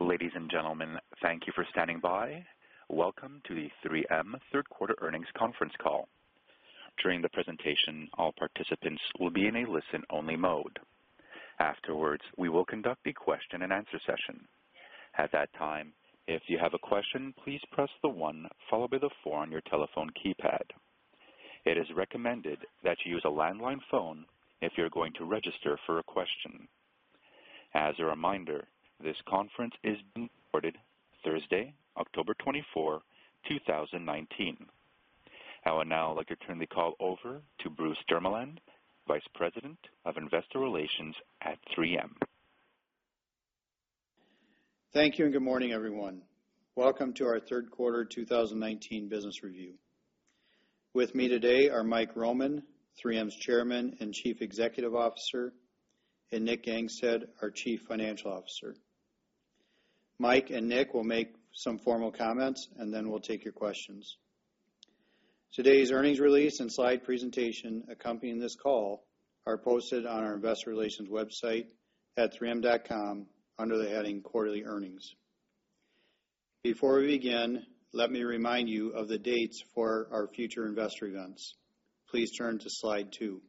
Ladies and gentlemen, thank you for standing by. Welcome to the 3M third quarter earnings conference call. During the presentation, all participants will be in a listen-only mode. We will conduct the question and answer session. At that time, if you have a question, please press the one followed by the four on your telephone keypad. It is recommended that you use a landline phone if you're going to register for a question. As a reminder, this conference is being recorded Thursday, October 24, 2019. I would now like to turn the call over to Bruce Jermeland, Vice President of Investor Relations at 3M. Thank you. Good morning, everyone. Welcome to our third quarter 2019 business review. With me today are Mike Roman, 3M's Chairman and Chief Executive Officer, and Nick Gangestad, our Chief Financial Officer. Mike and Nick will make some formal comments. Then we'll take your questions. Today's earnings release and slide presentation accompanying this call are posted on our investor relations website at 3m.com under the heading Quarterly Earnings. Before we begin, let me remind you of the dates for our future investor events. Please turn to slide two.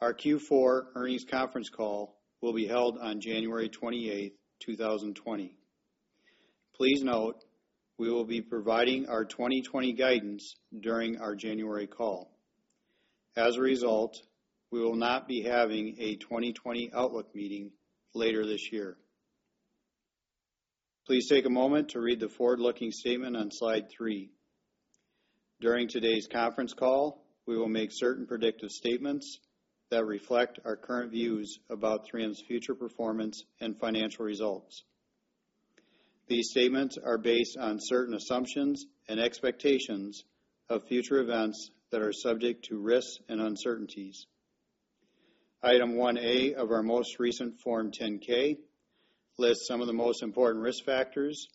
Our Q4 earnings conference call will be held on January 28th, 2020. Please note, we will be providing our 2020 guidance during our January call. As a result, we will not be having a 2020 outlook meeting later this year. Please take a moment to read the forward-looking statement on slide three. During today's conference call, we will make certain predictive statements that reflect our current views about 3M's future performance and financial results. These statements are based on certain assumptions and expectations of future events that are subject to risks and uncertainties. Item 1A of our most recent Form 10-K lists some of the most important risk factors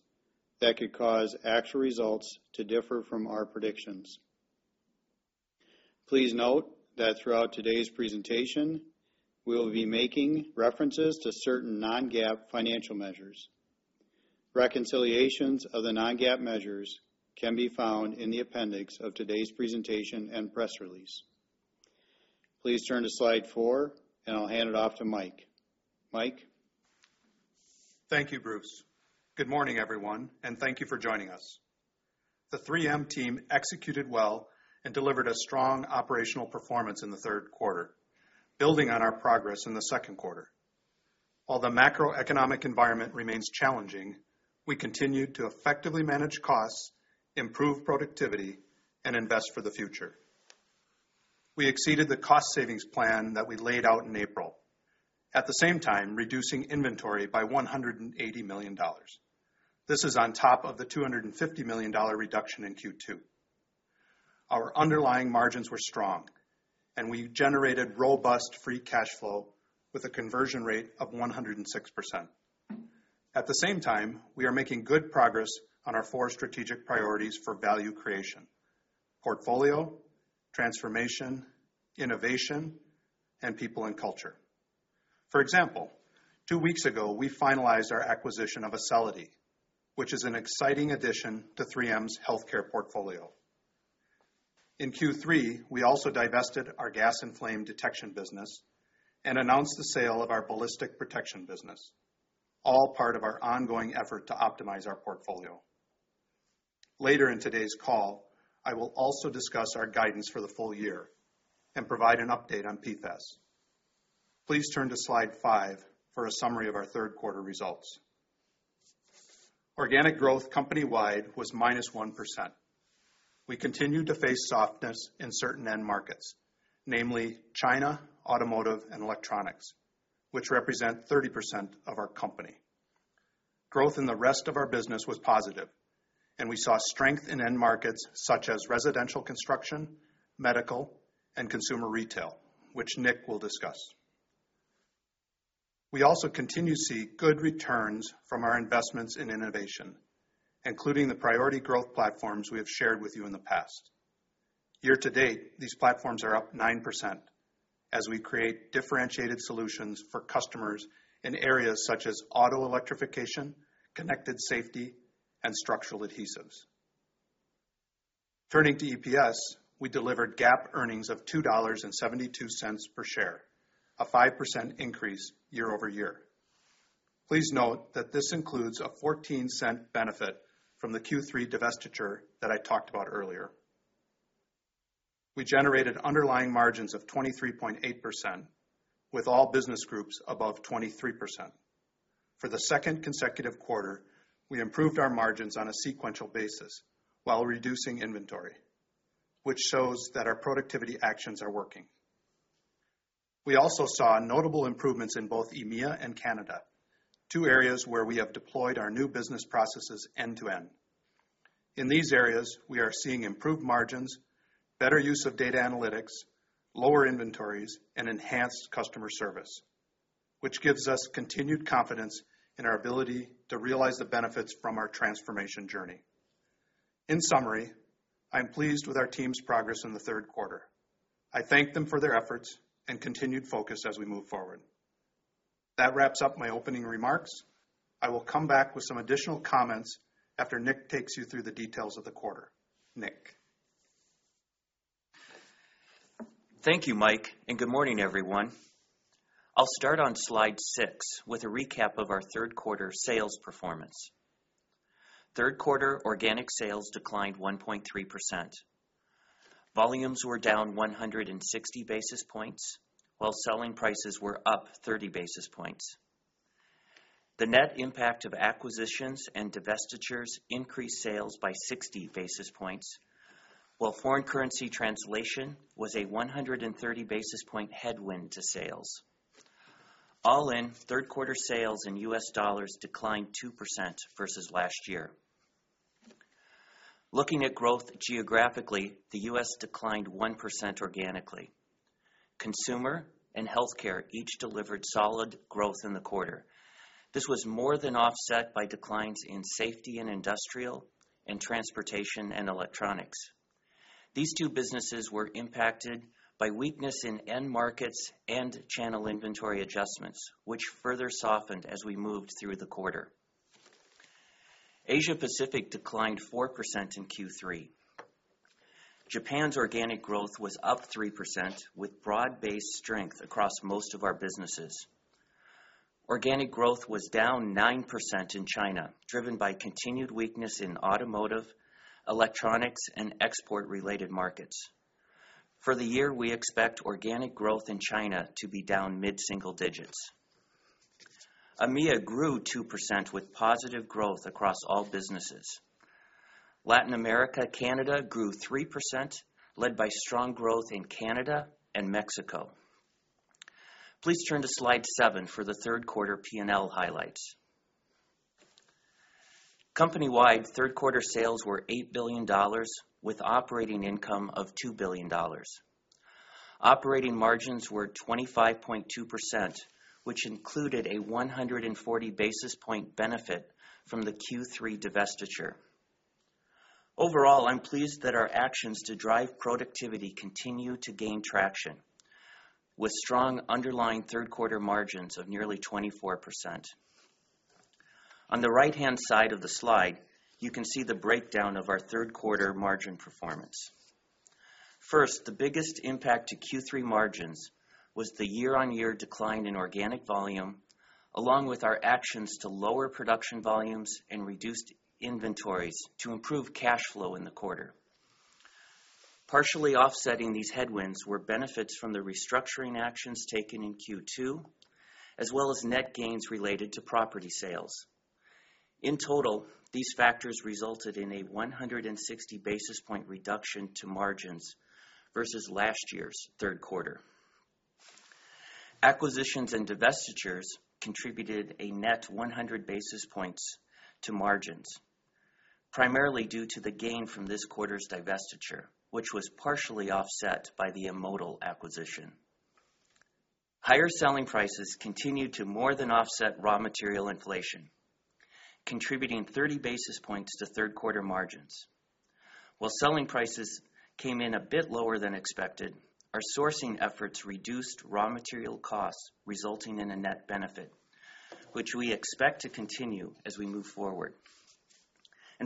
that could cause actual results to differ from our predictions. Please note that throughout today's presentation, we will be making references to certain non-GAAP financial measures. Reconciliations of the non-GAAP measures can be found in the appendix of today's presentation and press release. Please turn to slide four, and I'll hand it off to Mike. Mike? Thank you, Bruce. Good morning, everyone, and thank you for joining us. The 3M team executed well and delivered a strong operational performance in the third quarter, building on our progress in the second quarter. While the macroeconomic environment remains challenging, we continued to effectively manage costs, improve productivity, and invest for the future. We exceeded the cost savings plan that we laid out in April, at the same time reducing inventory by $180 million. This is on top of the $250 million reduction in Q2. Our underlying margins were strong, and we generated robust free cash flow with a conversion rate of 106%. At the same time, we are making good progress on our four strategic priorities for value creation, portfolio, transformation, innovation, and people and culture. For example, two weeks ago, we finalized our acquisition of Acelity, which is an exciting addition to 3M's healthcare portfolio. In Q3, we also divested our Gas and Flame Detection business and announced the sale of our advanced ballistic-protection business, all part of our ongoing effort to optimize our portfolio. Later in today's call, I will also discuss our guidance for the full year and provide an update on PFAS. Please turn to slide five for a summary of our third quarter results. Organic growth company-wide was -1%. We continued to face softness in certain end markets, namely China, automotive, and electronics, which represent 30% of our company. Growth in the rest of our business was positive, and we saw strength in end markets such as residential construction, medical, and consumer retail, which Nick will discuss. We also continue to see good returns from our investments in innovation, including the priority growth platforms we have shared with you in the past. Year-to-date, these platforms are up 9% as we create differentiated solutions for customers in areas such as auto electrification, Connected Safety, and structural adhesives. Turning to EPS, we delivered GAAP earnings of $2.72 per share, a 5% increase year-over-year. Please note that this includes a $0.14 benefit from the Q3 divestiture that I talked about earlier. We generated underlying margins of 23.8% with all business groups above 23%. For the second consecutive quarter, we improved our margins on a sequential basis while reducing inventory, which shows that our productivity actions are working. We also saw notable improvements in both EMEA and Canada, two areas where we have deployed our new business processes end-to-end. In these areas, we are seeing improved margins, better use of data analytics, lower inventories, and enhanced customer service, which gives us continued confidence in our ability to realize the benefits from our transformation journey. In summary, I'm pleased with our team's progress in the third quarter. I thank them for their efforts and continued focus as we move forward. That wraps up my opening remarks. I will come back with some additional comments after Nick takes you through the details of the quarter. Nick. Thank you, Mike, and good morning, everyone. I'll start on slide six with a recap of our third quarter sales performance. Third quarter organic sales declined 1.3%. Volumes were down 160 basis points while selling prices were up 30 basis points. The net impact of acquisitions and divestitures increased sales by 60 basis points, while foreign currency translation was a 130 basis point headwind to sales. All in, third quarter sales in U.S. dollars declined 2% versus last year. Looking at growth geographically, the U.S. declined 1% organically. Consumer and Health Care each delivered solid growth in the quarter. This was more than offset by declines in Safety & Industrial, and Transportation & Electronics. These two businesses were impacted by weakness in end markets and channel inventory adjustments, which further softened as we moved through the quarter. Asia Pacific declined 4% in Q3. Japan's organic growth was up 3%, with broad-based strength across most of our businesses. Organic growth was down 9% in China, driven by continued weakness in automotive, electronics, and export-related markets. For the year, we expect organic growth in China to be down mid-single digits. EMEA grew 2% with positive growth across all businesses. Latin America, Canada grew 3%, led by strong growth in Canada and Mexico. Please turn to slide seven for the third quarter P&L highlights. Company-wide third-quarter sales were $8 billion, with operating income of $2 billion. Operating margins were 25.2%, which included a 140 basis point benefit from the Q3 divestiture. Overall, I'm pleased that our actions to drive productivity continue to gain traction with strong underlying third-quarter margins of nearly 24%. On the right-hand side of the slide, you can see the breakdown of our third-quarter margin performance. The biggest impact to Q3 margins was the year-on-year decline in organic volume, along with our actions to lower production volumes and reduced inventories to improve cash flow in the quarter. Partially offsetting these headwinds were benefits from the restructuring actions taken in Q2, as well as net gains related to property sales. These factors resulted in a 160 basis point reduction to margins versus last year's third quarter. Acquisitions and divestitures contributed a net 100 basis points to margins, primarily due to the gain from this quarter's divestiture, which was partially offset by the M*Modal acquisition. Higher selling prices continued to more than offset raw material inflation, contributing 30 basis points to third-quarter margins. Selling prices came in a bit lower than expected, our sourcing efforts reduced raw material costs, resulting in a net benefit, which we expect to continue as we move forward.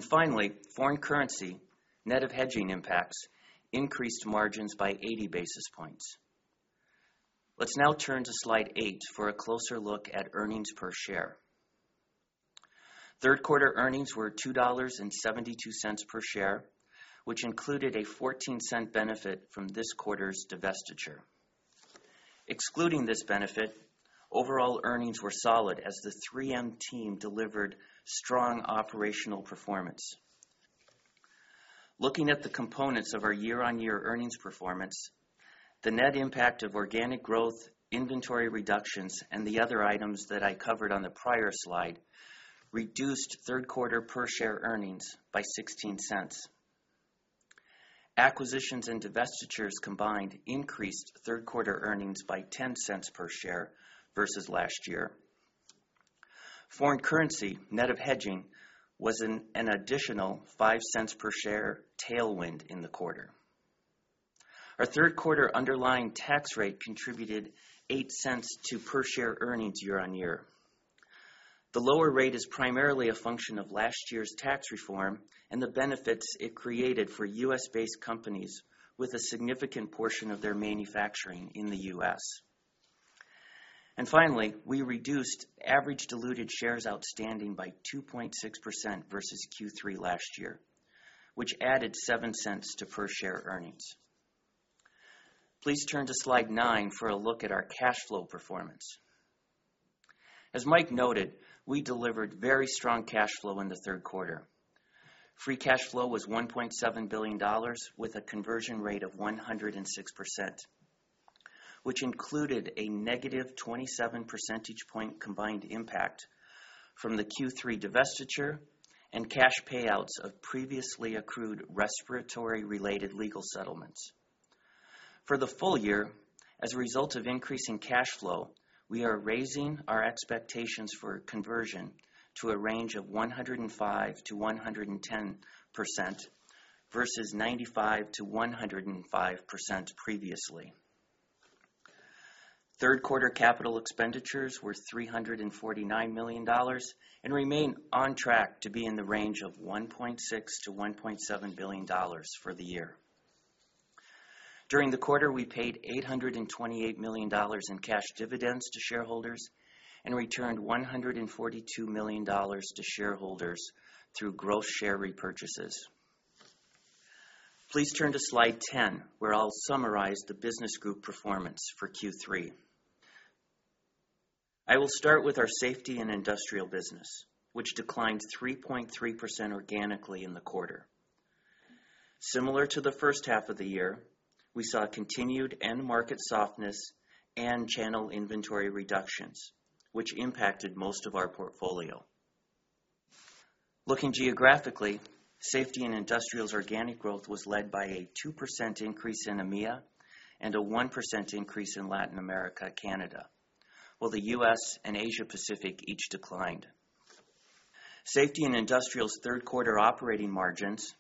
Finally, foreign currency net of hedging impacts increased margins by 80 basis points. Let's now turn to slide eight for a closer look at earnings per share. Third-quarter earnings were $2.72 per share, which included a $0.14 benefit from this quarter's divestiture. Excluding this benefit, overall earnings were solid as the 3M team delivered strong operational performance. Looking at the components of our year-on-year earnings performance, the net impact of organic growth, inventory reductions, and the other items that I covered on the prior slide reduced third-quarter per share earnings by $0.16. Acquisitions and divestitures combined increased third-quarter earnings by $0.10 per share versus last year. Foreign currency net of hedging was an additional $0.05 per share tailwind in the quarter. Our third quarter underlying tax rate contributed $0.08 to per-share earnings year-on-year. The lower rate is primarily a function of last year's tax reform and the benefits it created for U.S.-based companies with a significant portion of their manufacturing in the U.S. Finally, we reduced average diluted shares outstanding by 2.6% versus Q3 last year, which added $0.07 to per-share earnings. Please turn to slide nine for a look at our cash flow performance. As Mike noted, we delivered very strong cash flow in the third quarter. Free cash flow was $1.7 billion with a conversion rate of 106%, which included a negative 27 percentage point combined impact from the Q3 divestiture and cash payouts of previously accrued respiratory-related legal settlements. For the full year, as a result of increasing cash flow, we are raising our expectations for conversion to a range of 105%-110%, versus 95%-105% previously. Third quarter capital expenditures were $349 million and remain on track to be in the range of $1.6 billion-$1.7 billion for the year. During the quarter, we paid $828 million in cash dividends to shareholders and returned $142 million to shareholders through gross share repurchases. Please turn to slide 10, where I'll summarize the business group performance for Q3. I will start with our Safety & Industrial business, which declined 3.3% organically in the quarter. Similar to the first half of the year, we saw continued end market softness and channel inventory reductions, which impacted most of our portfolio. Looking geographically, Safety & Industrial's organic growth was led by a 2% increase in EMEA and a 1% increase in Latin America/Canada, while the U.S. and Asia Pacific each declined. Safety & Industrial's third quarter operating margins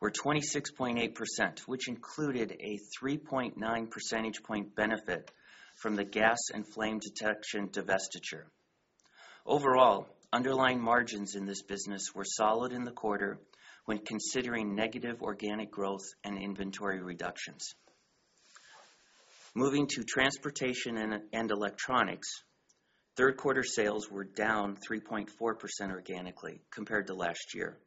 were 26.8%, which included a 3.9 percentage point benefit from the Gas and Flame Detection divestiture. Overall, underlying margins in this business were solid in the quarter when considering negative organic growth and inventory reductions. Moving to Transportation & Electronics, third quarter sales were down 3.4% organically compared to last year.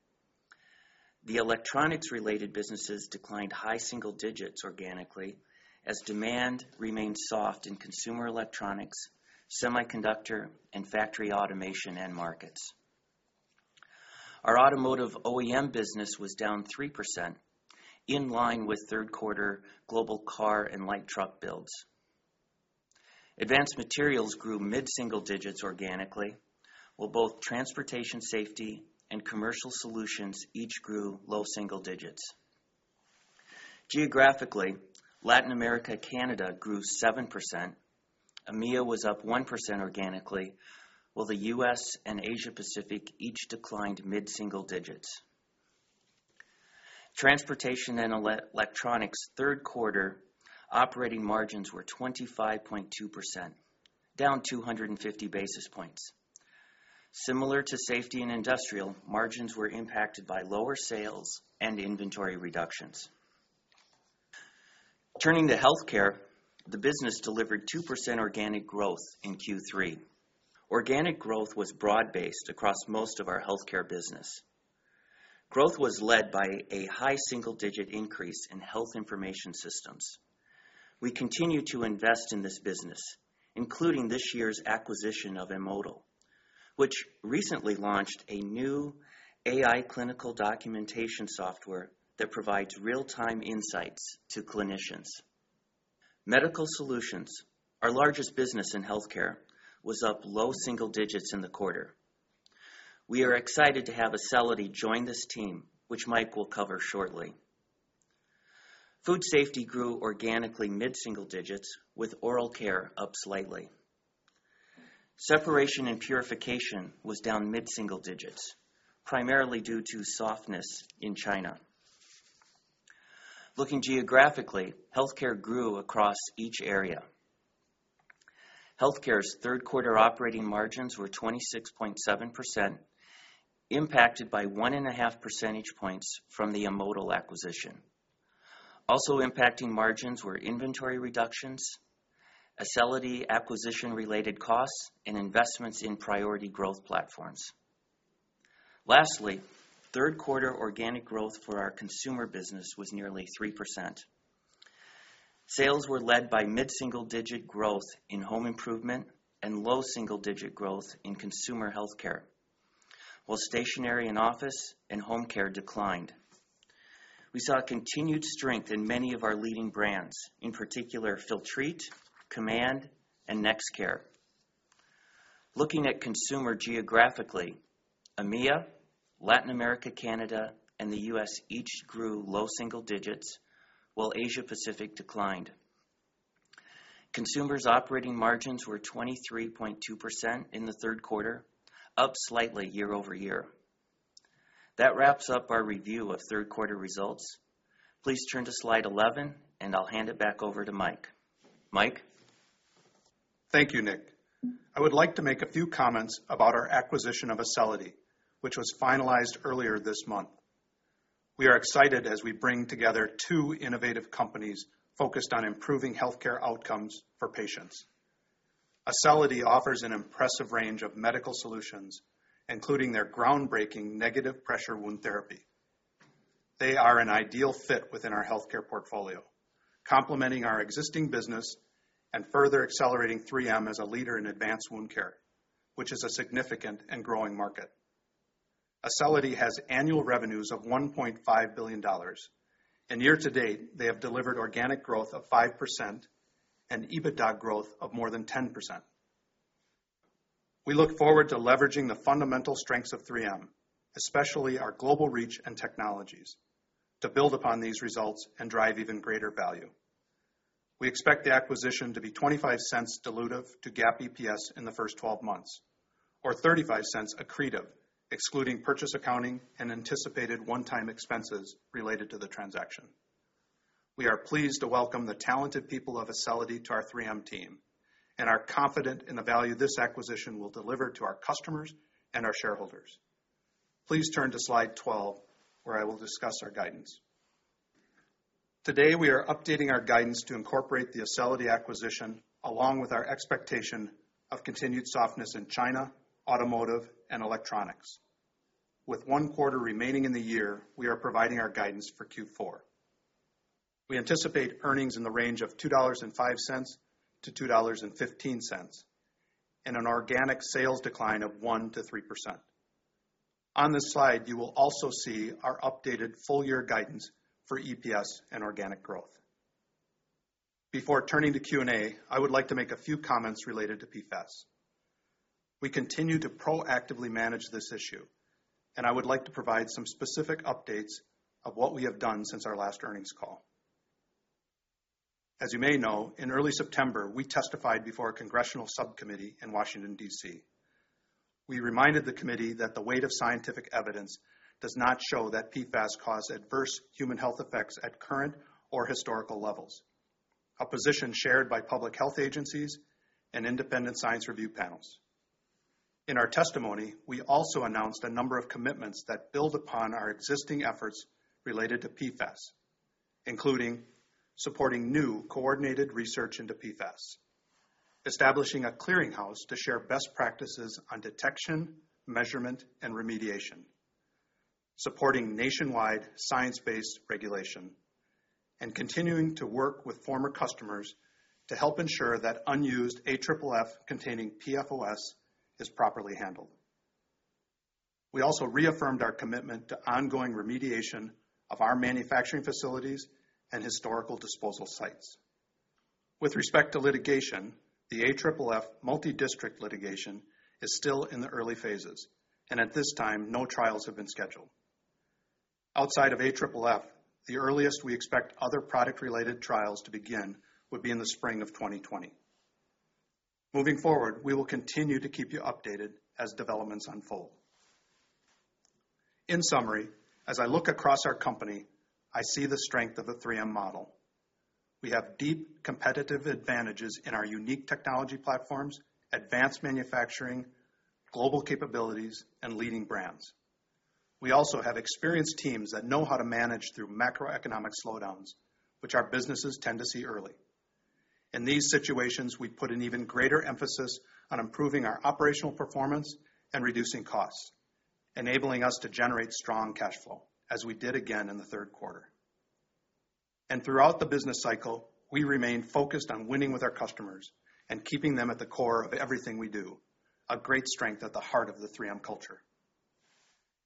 The electronics-related businesses declined high single digits organically as demand remained soft in consumer electronics, semiconductor, and factory automation end markets. Our automotive OEM business was down 3%, in line with third quarter global car and light truck builds. Advanced Materials grew mid-single digits organically, while both Transportation Safety and Commercial Solutions each grew low single digits. Geographically, Latin America/Canada grew 7%, EMEA was up 1% organically, while the U.S. and Asia Pacific each declined mid-single digits. Transportation & Electronics' third quarter operating margins were 25.2%, down 250 basis points. Similar to Safety & Industrial, margins were impacted by lower sales and inventory reductions. Turning to Health Care, the business delivered 2% organic growth in Q3. Organic growth was broad-based across most of our Health Care business. Growth was led by a high single-digit increase in Health Information Systems. We continue to invest in this business, including this year's acquisition of M*Modal, which recently launched a new AI clinical documentation software that provides real-time insights to clinicians. Medical Solutions, our largest business in Health Care, was up low single digits in the quarter. We are excited to have Acelity join this team, which Mike will cover shortly. Food Safety grew organically mid-single digits, with Oral Care up slightly. Separation and Purification was down mid-single digits, primarily due to softness in China. Looking geographically, Health Care grew across each area. Healthcare's third quarter operating margins were 26.7%, impacted by 1.5 percentage points from the M*Modal acquisition. Also impacting margins were inventory reductions, Acelity acquisition-related costs, and investments in priority growth platforms. Lastly, third quarter organic growth for our consumer business was nearly 3%. Sales were led by mid-single-digit growth in Home Improvement and low double-digit growth in Consumer Health Care, while stationery and office and Home Care declined. We saw continued strength in many of our leading brands, in particular Filtrete, Command, and Nexcare. Looking at consumer geographically, EMEA, Latin America/Canada, and the U.S. each grew low single digits, while Asia Pacific declined. Consumer's operating margins were 23.2% in the third quarter, up slightly year-over-year. That wraps up our review of third quarter results. Please turn to slide 11, and I'll hand it back over to Mike. Mike? Thank you, Nick. I would like to make a few comments about our acquisition of Acelity, which was finalized earlier this month. We are excited as we bring together two innovative companies focused on improving healthcare outcomes for patients. Acelity offers an impressive range of Medical Solutions, including their groundbreaking negative pressure wound therapy. They are an ideal fit within our healthcare portfolio, complementing our existing business and further accelerating 3M as a leader in advanced wound care, which is a significant and growing market. Acelity has annual revenues of $1.5 billion. Year to date, they have delivered organic growth of 5% and EBITDA growth of more than 10%. We look forward to leveraging the fundamental strengths of 3M, especially our global reach and technologies, to build upon these results and drive even greater value. We expect the acquisition to be $0.25 dilutive to GAAP EPS in the first 12 months or $0.35 accretive, excluding purchase accounting and anticipated one-time expenses related to the transaction. We are pleased to welcome the talented people of Acelity to our 3M team and are confident in the value this acquisition will deliver to our customers and our shareholders. Please turn to slide 12, where I will discuss our guidance. Today, we are updating our guidance to incorporate the Acelity acquisition, along with our expectation of continued softness in China, automotive, and electronics. With one quarter remaining in the year, we are providing our guidance for Q4. We anticipate earnings in the range of $2.05 to $2.15 and an organic sales decline of 1%-3%. On this slide, you will also see our updated full-year guidance for EPS and organic growth. Before turning to Q&A, I would like to make a few comments related to PFAS. We continue to proactively manage this issue, and I would like to provide some specific updates of what we have done since our last earnings call. As you may know, in early September, we testified before a congressional subcommittee in Washington, D.C. We reminded the committee that the weight of scientific evidence does not show that PFAS cause adverse human health effects at current or historical levels, a position shared by public health agencies and independent science review panels. In our testimony, we also announced a number of commitments that build upon our existing efforts related to PFAS, including supporting new coordinated research into PFAS, establishing a clearinghouse to share best practices on detection, measurement, and remediation, supporting nationwide science-based regulation, and continuing to work with former customers to help ensure that unused AFFF containing PFOS is properly handled. We also reaffirmed our commitment to ongoing remediation of our manufacturing facilities and historical disposal sites. With respect to litigation, the AFFF multidistrict litigation is still in the early phases, and at this time, no trials have been scheduled. Outside of AFFF, the earliest we expect other product-related trials to begin would be in the spring of 2020. Moving forward, we will continue to keep you updated as developments unfold. In summary, as I look across our company, I see the strength of the 3M model. We have deep competitive advantages in our unique technology platforms, advanced manufacturing, global capabilities, and leading brands. We also have experienced teams that know how to manage through macroeconomic slowdowns, which our businesses tend to see early. In these situations, we put an even greater emphasis on improving our operational performance and reducing costs, enabling us to generate strong cash flow, as we did again in the third quarter. Throughout the business cycle, we remain focused on winning with our customers and keeping them at the core of everything we do, a great strength at the heart of the 3M culture.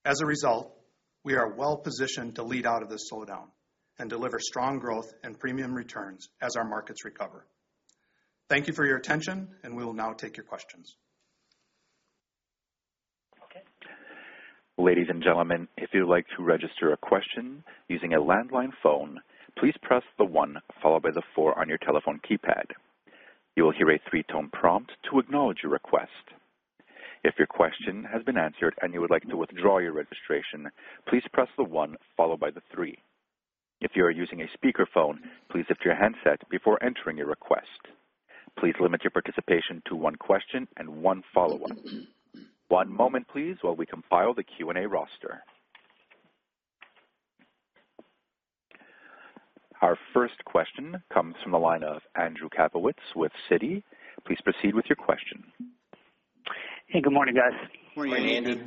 As a result, we are well-positioned to lead out of this slowdown and deliver strong growth and premium returns as our markets recover. Thank you for your attention, and we will now take your questions. Okay. Ladies and gentlemen, if you'd like to register a question using a landline phone, please press the one followed by the four on your telephone keypad. You will hear a three-tone prompt to acknowledge your request. If your question has been answered and you would like to withdraw your registration, please press the one followed by the three. If you are using a speakerphone, please lift your handset before entering your request. Please limit your participation to one question and one follow-up. One moment, please, while we compile the Q&A roster. Our first question comes from the line of Andrew Kaplowitz with Citi. Please proceed with your question. Hey, good morning, guys. Morning, Andy.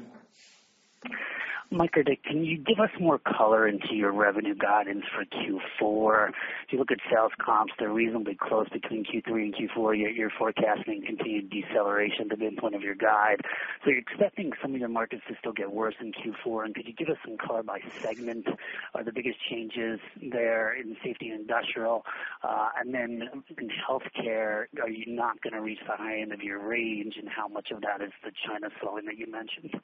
Mike or Nick, can you give us more color into your revenue guidance for Q4? If you look at sales comps, they're reasonably close between Q3 and Q4, yet you're forecasting continued deceleration to the midpoint of your guide. You're expecting some of your markets to still get worse in Q4, and could you give us some color by segment? Are the biggest changes there in Safety & Industrial? Then in healthcare, are you not going to reach the high end of your range, and how much of that is the China slowing that you mentioned?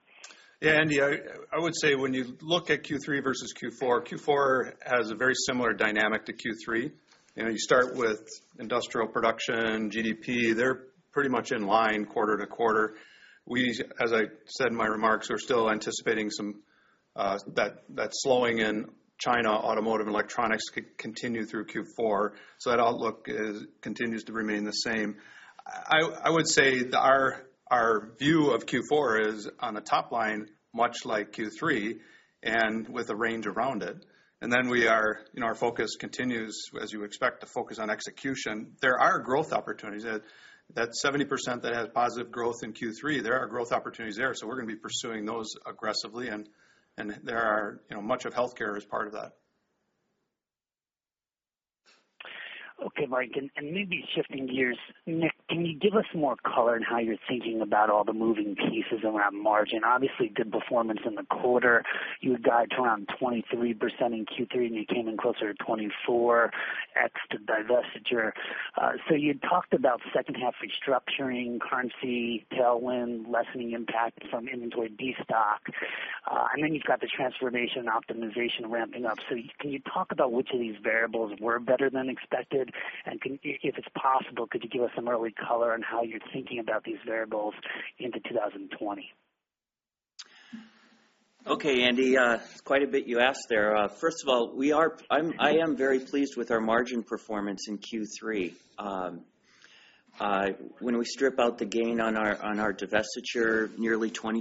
Yeah, Andy, I would say when you look at Q3 versus Q4 has a very similar dynamic to Q3. You start with industrial production, GDP. They're pretty much in line quarter to quarter. We, as I said in my remarks, are still anticipating some that slowing in China automotive and electronics could continue through Q4, so that outlook continues to remain the same. I would say that our view of Q4 is on the top line, much like Q3, and with a range around it. Our focus continues, as you expect, to focus on execution. There are growth opportunities. That 70% that has positive growth in Q3, there are growth opportunities there, so we're going to be pursuing those aggressively, and much of healthcare is part of that. Okay, Mike, maybe shifting gears. Nick, can you give us more color on how you're thinking about all the moving is around margin. Obviously, good performance in the quarter. You had guided to around 23% in Q3, you came in closer to 24 ex the divestiture. You had talked about second half restructuring, currency tailwind lessening impact from inventory destock. Then you've got the transformation optimization ramping up. Can you talk about which of these variables were better than expected? If it's possible, could you give us some early color on how you're thinking about these variables into 2020? Okay, Andy, quite a bit you asked there. First of all, I am very pleased with our margin performance in Q3. When we strip out the gain on our divestiture, nearly 24%,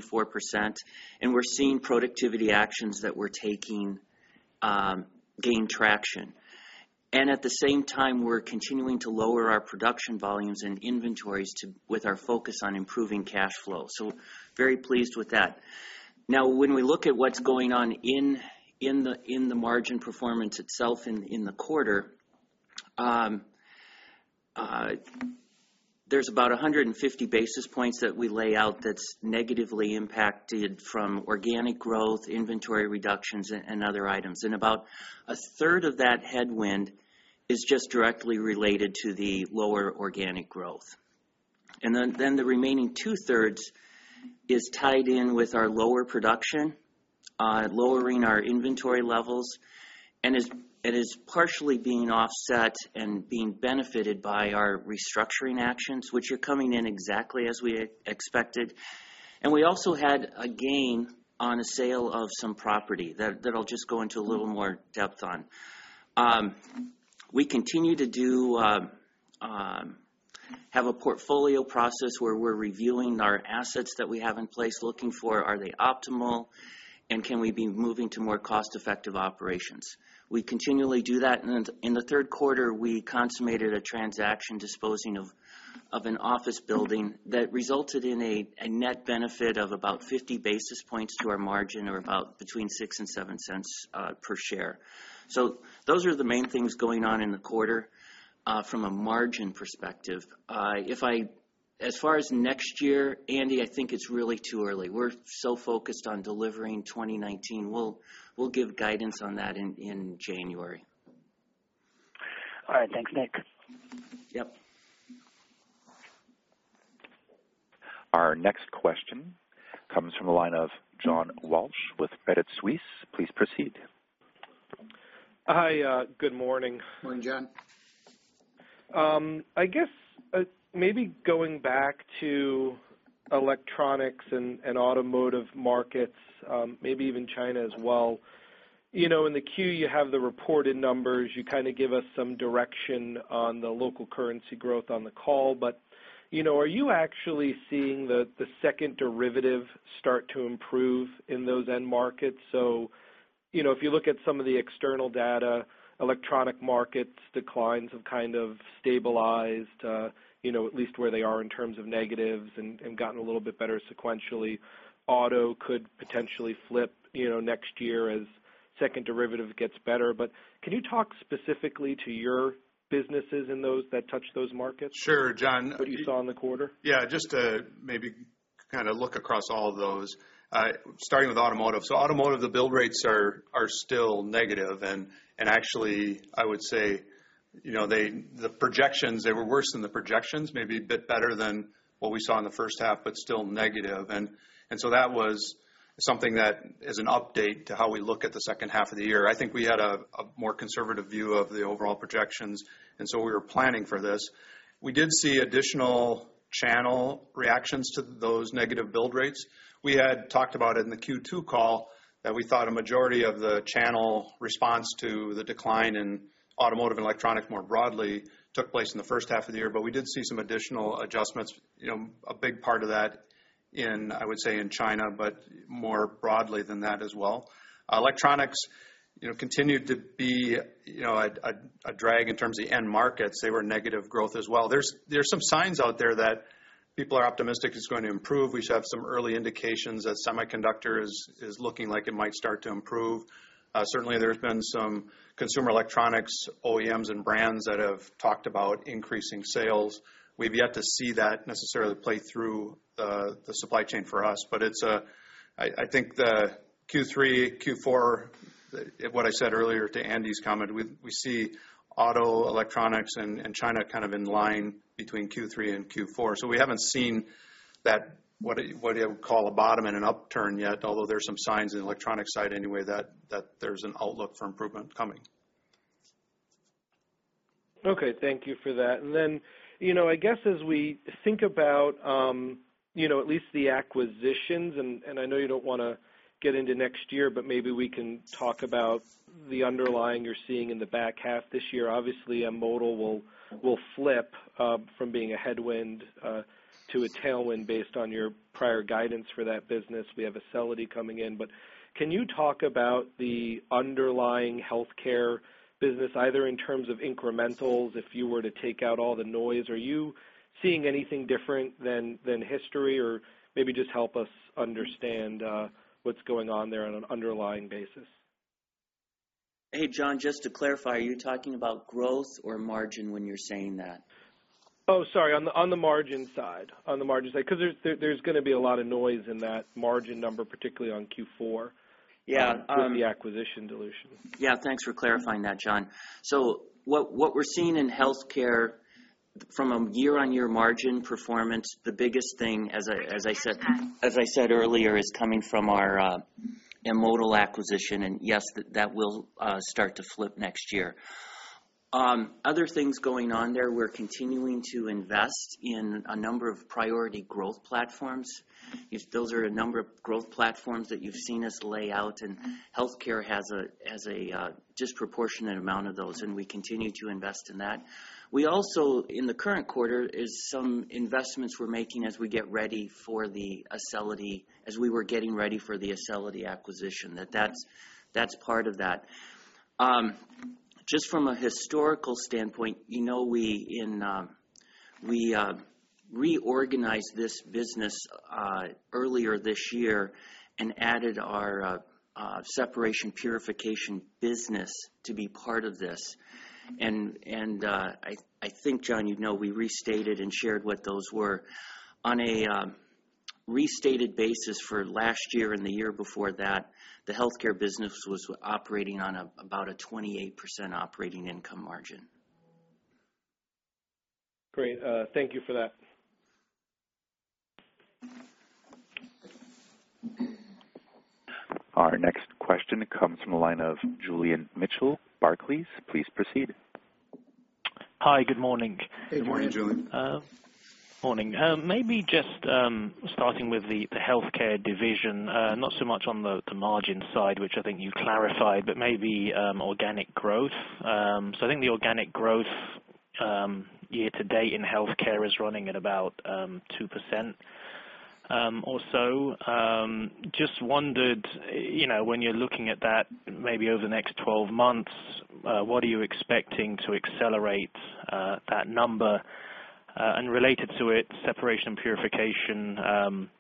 we are seeing productivity actions that we are taking gain traction. At the same time, we are continuing to lower our production volumes and inventories with our focus on improving cash flow. Very pleased with that. When we look at what is going on in the margin performance itself in the quarter, there is about 150 basis points that we lay out that is negatively impacted from organic growth, inventory reductions, and other items. About a third of that headwind is just directly related to the lower organic growth. The remaining two-thirds is tied in with our lower production, lowering our inventory levels, and it is partially being offset and being benefited by our restructuring actions, which are coming in exactly as we expected. We also had a gain on a sale of some property that I'll just go into a little more depth on. We continue to have a portfolio process where we're reviewing our assets that we have in place, looking for are they optimal, and can we be moving to more cost-effective operations. We continually do that, and in the third quarter, we consummated a transaction disposing of an office building that resulted in a net benefit of about 50 basis points to our margin, or about between $0.06 and $0.07 per share. Those are the main things going on in the quarter from a margin perspective. As far as next year, Andy, I think it's really too early. We're so focused on delivering 2019. We'll give guidance on that in January. All right. Thanks, Nick. Yep. Our next question comes from the line of John Walsh with Credit Suisse. Please proceed. Hi, good morning. Morning, John. I guess maybe going back to electronics and automotive markets, maybe even China as well. In the 10-Q, you have the reported numbers. You kind of give us some direction on the local currency growth on the call, are you actually seeing the second derivative start to improve in those end markets? If you look at some of the external data, electronic markets declines have kind of stabilized at least where they are in terms of negatives and gotten a little bit better sequentially. Auto could potentially flip next year as second derivative gets better. Can you talk specifically to your businesses in those that touch those markets? Sure, John. What you saw in the quarter? Yeah, just to maybe kind of look across all of those, starting with automotive. Automotive, the build rates are still negative, and actually, I would say, the projections, they were worse than the projections, maybe a bit better than what we saw in the first half, but still negative. That was something that is an update to how we look at the second half of the year. I think we had a more conservative view of the overall projections, and so we were planning for this. We did see additional channel reactions to those negative build rates. We had talked about it in the Q2 call that we thought a majority of the channel response to the decline in automotive and electronic more broadly took place in the first half of the year. We did see some additional adjustments, a big part of that in, I would say, in China, but more broadly than that as well. Electronics continued to be a drag in terms of the end markets. They were negative growth as well. There's some signs out there that people are optimistic it's going to improve. We have some early indications that semiconductor is looking like it might start to improve. Certainly, there's been some consumer electronics OEMs and brands that have talked about increasing sales. We've yet to see that necessarily play through the supply chain for us. I think the Q3, Q4, what I said earlier to Andy's comment, we see auto electronics and China kind of in line between Q3 and Q4. We haven't seen that, what you would call a bottom and an upturn yet, although there's some signs in the electronic side anyway that there's an outlook for improvement coming. Okay. Thank you for that. I guess as we think about at least the acquisitions, I know you don't want to get into next year, but maybe we can talk about the underlying you're seeing in the back half this year. Obviously, M*Modal will flip from being a headwind to a tailwind based on your prior guidance for that business. We have Acelity coming in. Can you talk about the underlying healthcare business, either in terms of incrementals, if you were to take out all the noise? Are you seeing anything different than history? Maybe just help us understand what's going on there on an underlying basis. Hey, John, just to clarify, are you talking about growth or margin when you're saying that? Oh, sorry. On the margin side, because there's going to be a lot of noise in that margin number, particularly on Q4. Yeah with the acquisition dilution. Yeah, thanks for clarifying that, John. What we're seeing in healthcare from a year-on-year margin performance, the biggest thing, as I said earlier, is coming from our M*Modal acquisition. Yes, that will start to flip next year. Other things going on there, we're continuing to invest in a number of priority growth platforms. Those are a number of growth platforms that you've seen us lay out, and healthcare has a disproportionate amount of those, and we continue to invest in that. We also, in the current quarter, is some investments we're making as we were getting ready for the Acelity acquisition. That's part of that. Just from a historical standpoint, we reorganized this business earlier this year and added our Separation Purification Business to be part of this, and I think, John, you'd know we restated and shared what those were. On a restated basis for last year and the year before that, the healthcare business was operating on about a 28% operating income margin. Great. Thank you for that. Our next question comes from the line of Julian Mitchell, Barclays. Please proceed. Hi. Good morning. Good morning, Julian. Morning. Maybe just starting with the healthcare division, not so much on the margin side, which I think you clarified, but maybe organic growth. I think the organic growth year-to-date in healthcare is running at about 2% or so. Just wondered, when you're looking at that, maybe over the next 12 months, what are you expecting to accelerate that number? Related to it, Separation and Purification Sciences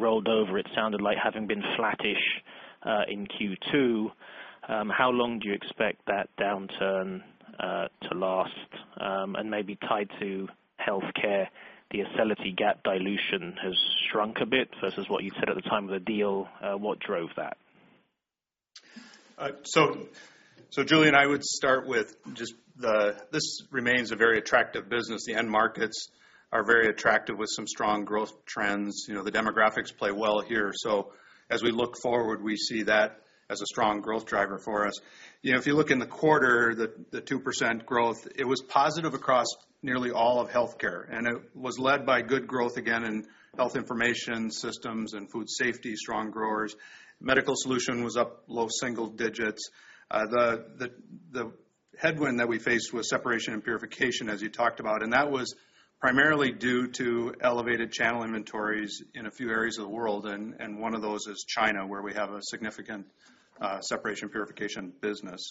rolled over, it sounded like, having been flattish in Q2. How long do you expect that downturn to last? Maybe tied to healthcare, the Acelity GAAP dilution has shrunk a bit versus what you said at the time of the deal. What drove that? Julian, I would start with just this remains a very attractive business. The end markets are very attractive with some strong growth trends. The demographics play well here. As we look forward, we see that as a strong growth driver for us. If you look in the quarter, the 2% growth, it was positive across nearly all of healthcare, and it was led by good growth, again, in Health Information Systems and Food Safety, strong growers. Medical Solutions was up low single digits. The headwind that we faced was Separation and Purification, as you talked about, and that was primarily due to elevated channel inventories in a few areas of the world. One of those is China, where we have a significant Separation and Purification business.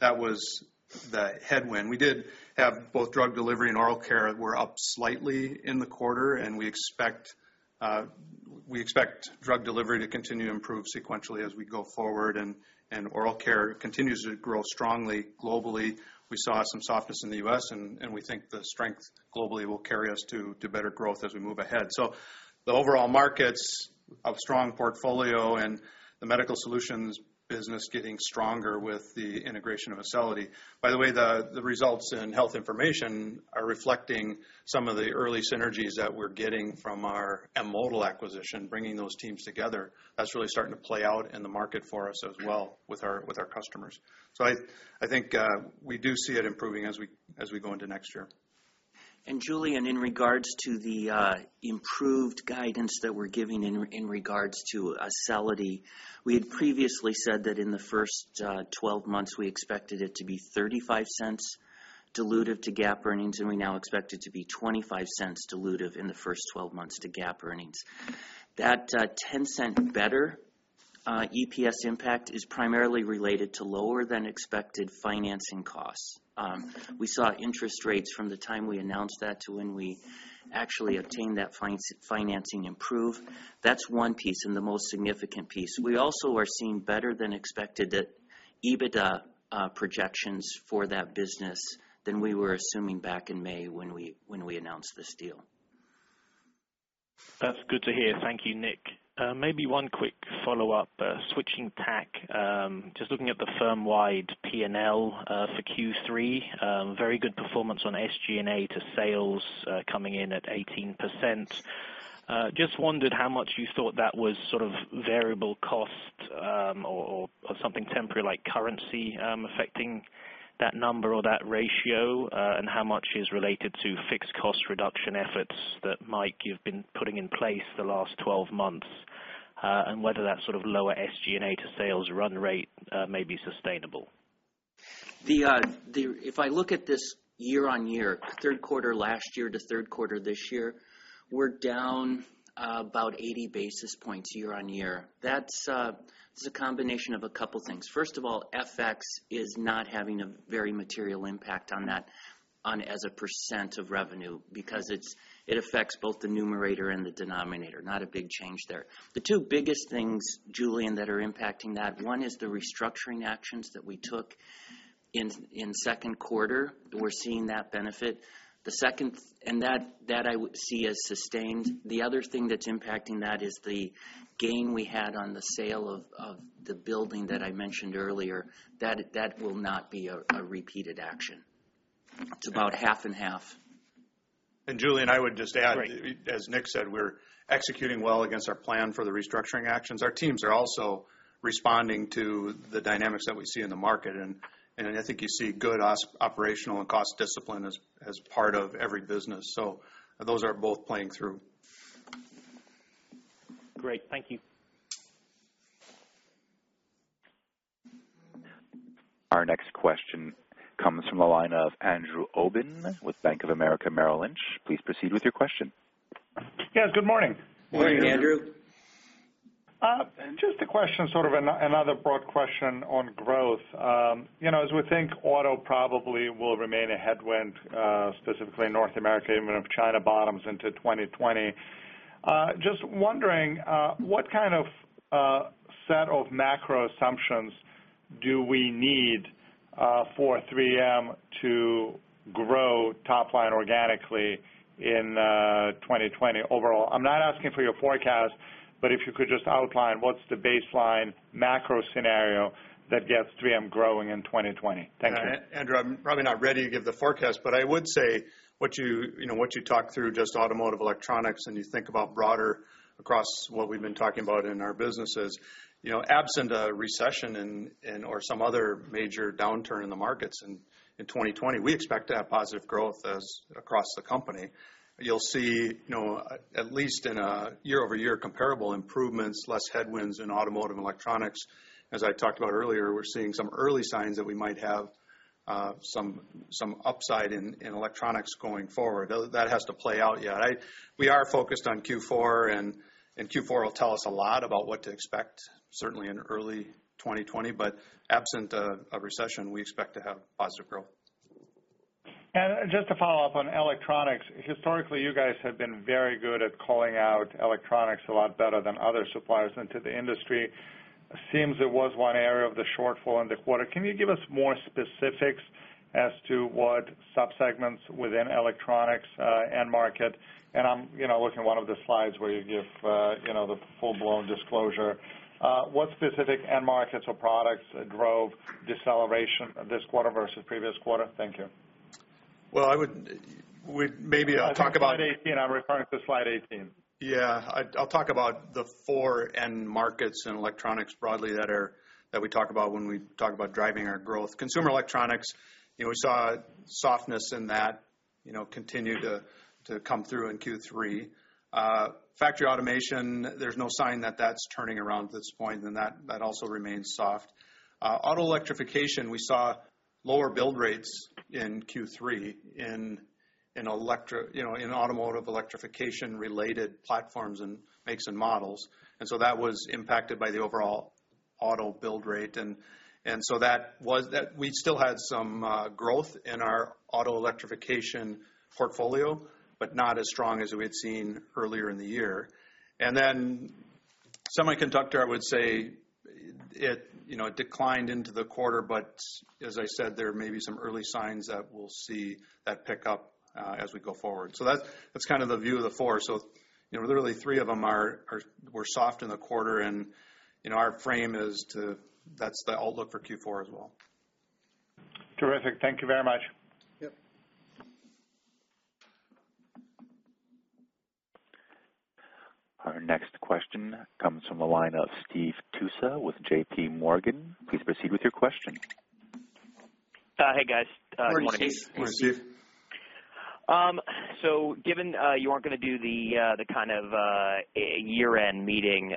That was the headwind. We did have both Drug Delivery and Oral Care were up slightly in the quarter, and we expect Drug Delivery to continue to improve sequentially as we go forward. Oral Care continues to grow strongly globally. We saw some softness in the U.S., and we think the strength globally will carry us to better growth as we move ahead. The overall markets, a strong portfolio, and the Medical Solutions business getting stronger with the integration of Acelity. By the way, the results in Health Information are reflecting some of the early synergies that we're getting from our M*Modal acquisition, bringing those teams together. That's really starting to play out in the market for us as well with our customers. I think we do see it improving as we go into next year. Julian, in regards to the improved guidance that we're giving in regards to Acelity, we had previously said that in the first 12 months, we expected it to be $0.35 dilutive to GAAP earnings, and we now expect it to be $0.25 dilutive in the first 12 months to GAAP earnings. That $0.10 better EPS impact is primarily related to lower than expected financing costs. We saw interest rates from the time we announced that to when we actually obtained that financing improve. That is one piece and the most significant piece. We also are seeing better than expected EBITDA projections for that business than we were assuming back in May when we announced this deal. That's good to hear. Thank you, Nick. Maybe one quick follow-up. Switching tack, just looking at the firm-wide P&L for Q3. Very good performance on SG&A to sales coming in at 18%. Just wondered how much you thought that was sort of variable cost or something temporary like currency affecting that number or that ratio, and how much is related to fixed cost reduction efforts that Mike, you've been putting in place the last 12 months, and whether that sort of lower SG&A to sales run rate may be sustainable. If I look at this year-on-year, third quarter last year to third quarter this year, we're down about 80 basis points year-on-year. That's a combination of a couple things. First of all, FX is not having a very material impact on that. As a % of revenue, because it affects both the numerator and the denominator. Not a big change there. The two biggest things, Julian, that are impacting that, one is the restructuring actions that we took in second quarter. We're seeing that benefit. That I see as sustained. The other thing that's impacting that is the gain we had on the sale of the building that I mentioned earlier. That will not be a repeated action. It's about half and half. Julian, I would just add. Great as Nick said, we're executing well against our plan for the restructuring actions. Our teams are also responding to the dynamics that we see in the market, and I think you see good operational and cost discipline as part of every business. Those are both playing through. Great. Thank you. Our next question comes from the line of Andrew Obin with Bank of America Merrill Lynch. Please proceed with your question. Yes, good morning. Morning, Andrew. Morning, Andrew. Just a question, sort of another broad question on growth. We think auto probably will remain a headwind, specifically in North America even if China bottoms into 2020, just wondering, what kind of set of macro assumptions do we need for 3M to grow top line organically in 2020 overall? I'm not asking for your forecast, if you could just outline what's the baseline macro scenario that gets 3M growing in 2020. Thank you. Andrew, I'm probably not ready to give the forecast, but I would say what you talk through, just automotive, electronics, and you think about broader across what we've been talking about in our businesses. Absent a recession and/or some other major downturn in the markets in 2020, we expect to have positive growth across the company. You'll see at least in a year-over-year comparable improvements, less headwinds in automotive and electronics. As I talked about earlier, we're seeing some early signs that we might have some upside in electronics going forward. That has to play out yet. We are focused on Q4, and Q4 will tell us a lot about what to expect certainly in early 2020. Absent of recession, we expect to have positive growth. Just to follow up on electronics, historically, you guys have been very good at calling out electronics a lot better than other suppliers into the industry. Seems it was one area of the shortfall in the quarter. Can you give us more specifics as to what sub-segments within electronics end market? I'm looking at one of the slides where you give the full-blown disclosure. What specific end markets or products drove deceleration this quarter versus previous quarter? Thank you. Well. Slide 18. I'm referring to slide 18. Yeah. I'll talk about the four end markets and electronics broadly that we talk about when we talk about driving our growth. Consumer electronics, we saw softness in that continue to come through in Q3. Factory automation, there's no sign that that's turning around at this point, and that also remains soft. Auto electrification, we saw lower build rates in Q3 in automotive electrification-related platforms and makes and models. That was impacted by the overall auto build rate. We still had some growth in our auto electrification portfolio, but not as strong as we had seen earlier in the year. Semiconductor, I would say it declined into the quarter, but as I said, there may be some early signs that we'll see that pick up as we go forward. That's kind of the view of the four. Literally three of them were soft in the quarter, and our frame is that's the outlook for Q4 as well. Terrific. Thank you very much. Yep. Our next question comes from the line of Steve Tusa with JPMorgan. Please proceed with your question. Hey, guys. Good morning. Morning, Steve. Morning, Steve. Given you aren't going to do the kind of year-end meeting,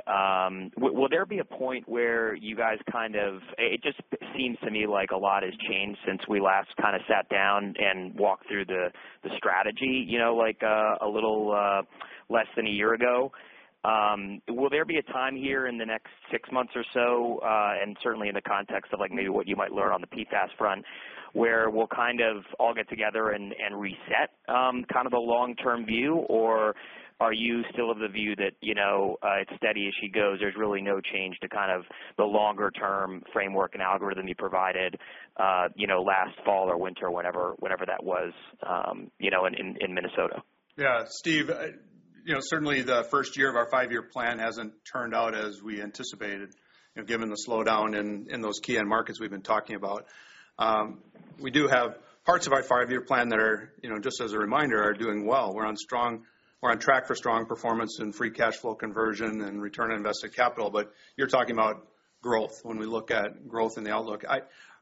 will there be a point where you guys? It just seems to me like a lot has changed since we last kind of sat down and walked through the strategy a little less than a year ago. Will there be a time here in the next six months or so, and certainly in the context of maybe what you might learn on the PFAS front, where we'll kind of all get together and reset kind of the long-term view, or are you still of the view that it's steady as she goes, there's really no change to kind of the longer-term framework and algorithm you provided last fall or winter, whenever that was in Minnesota? Steve, certainly the first year of our five-year plan hasn't turned out as we anticipated given the slowdown in those key end markets we've been talking about. We do have parts of our five-year plan that are, just as a reminder, are doing well. We're on track for strong performance in free cash flow conversion and return on invested capital. You're talking about growth, when we look at growth in the outlook.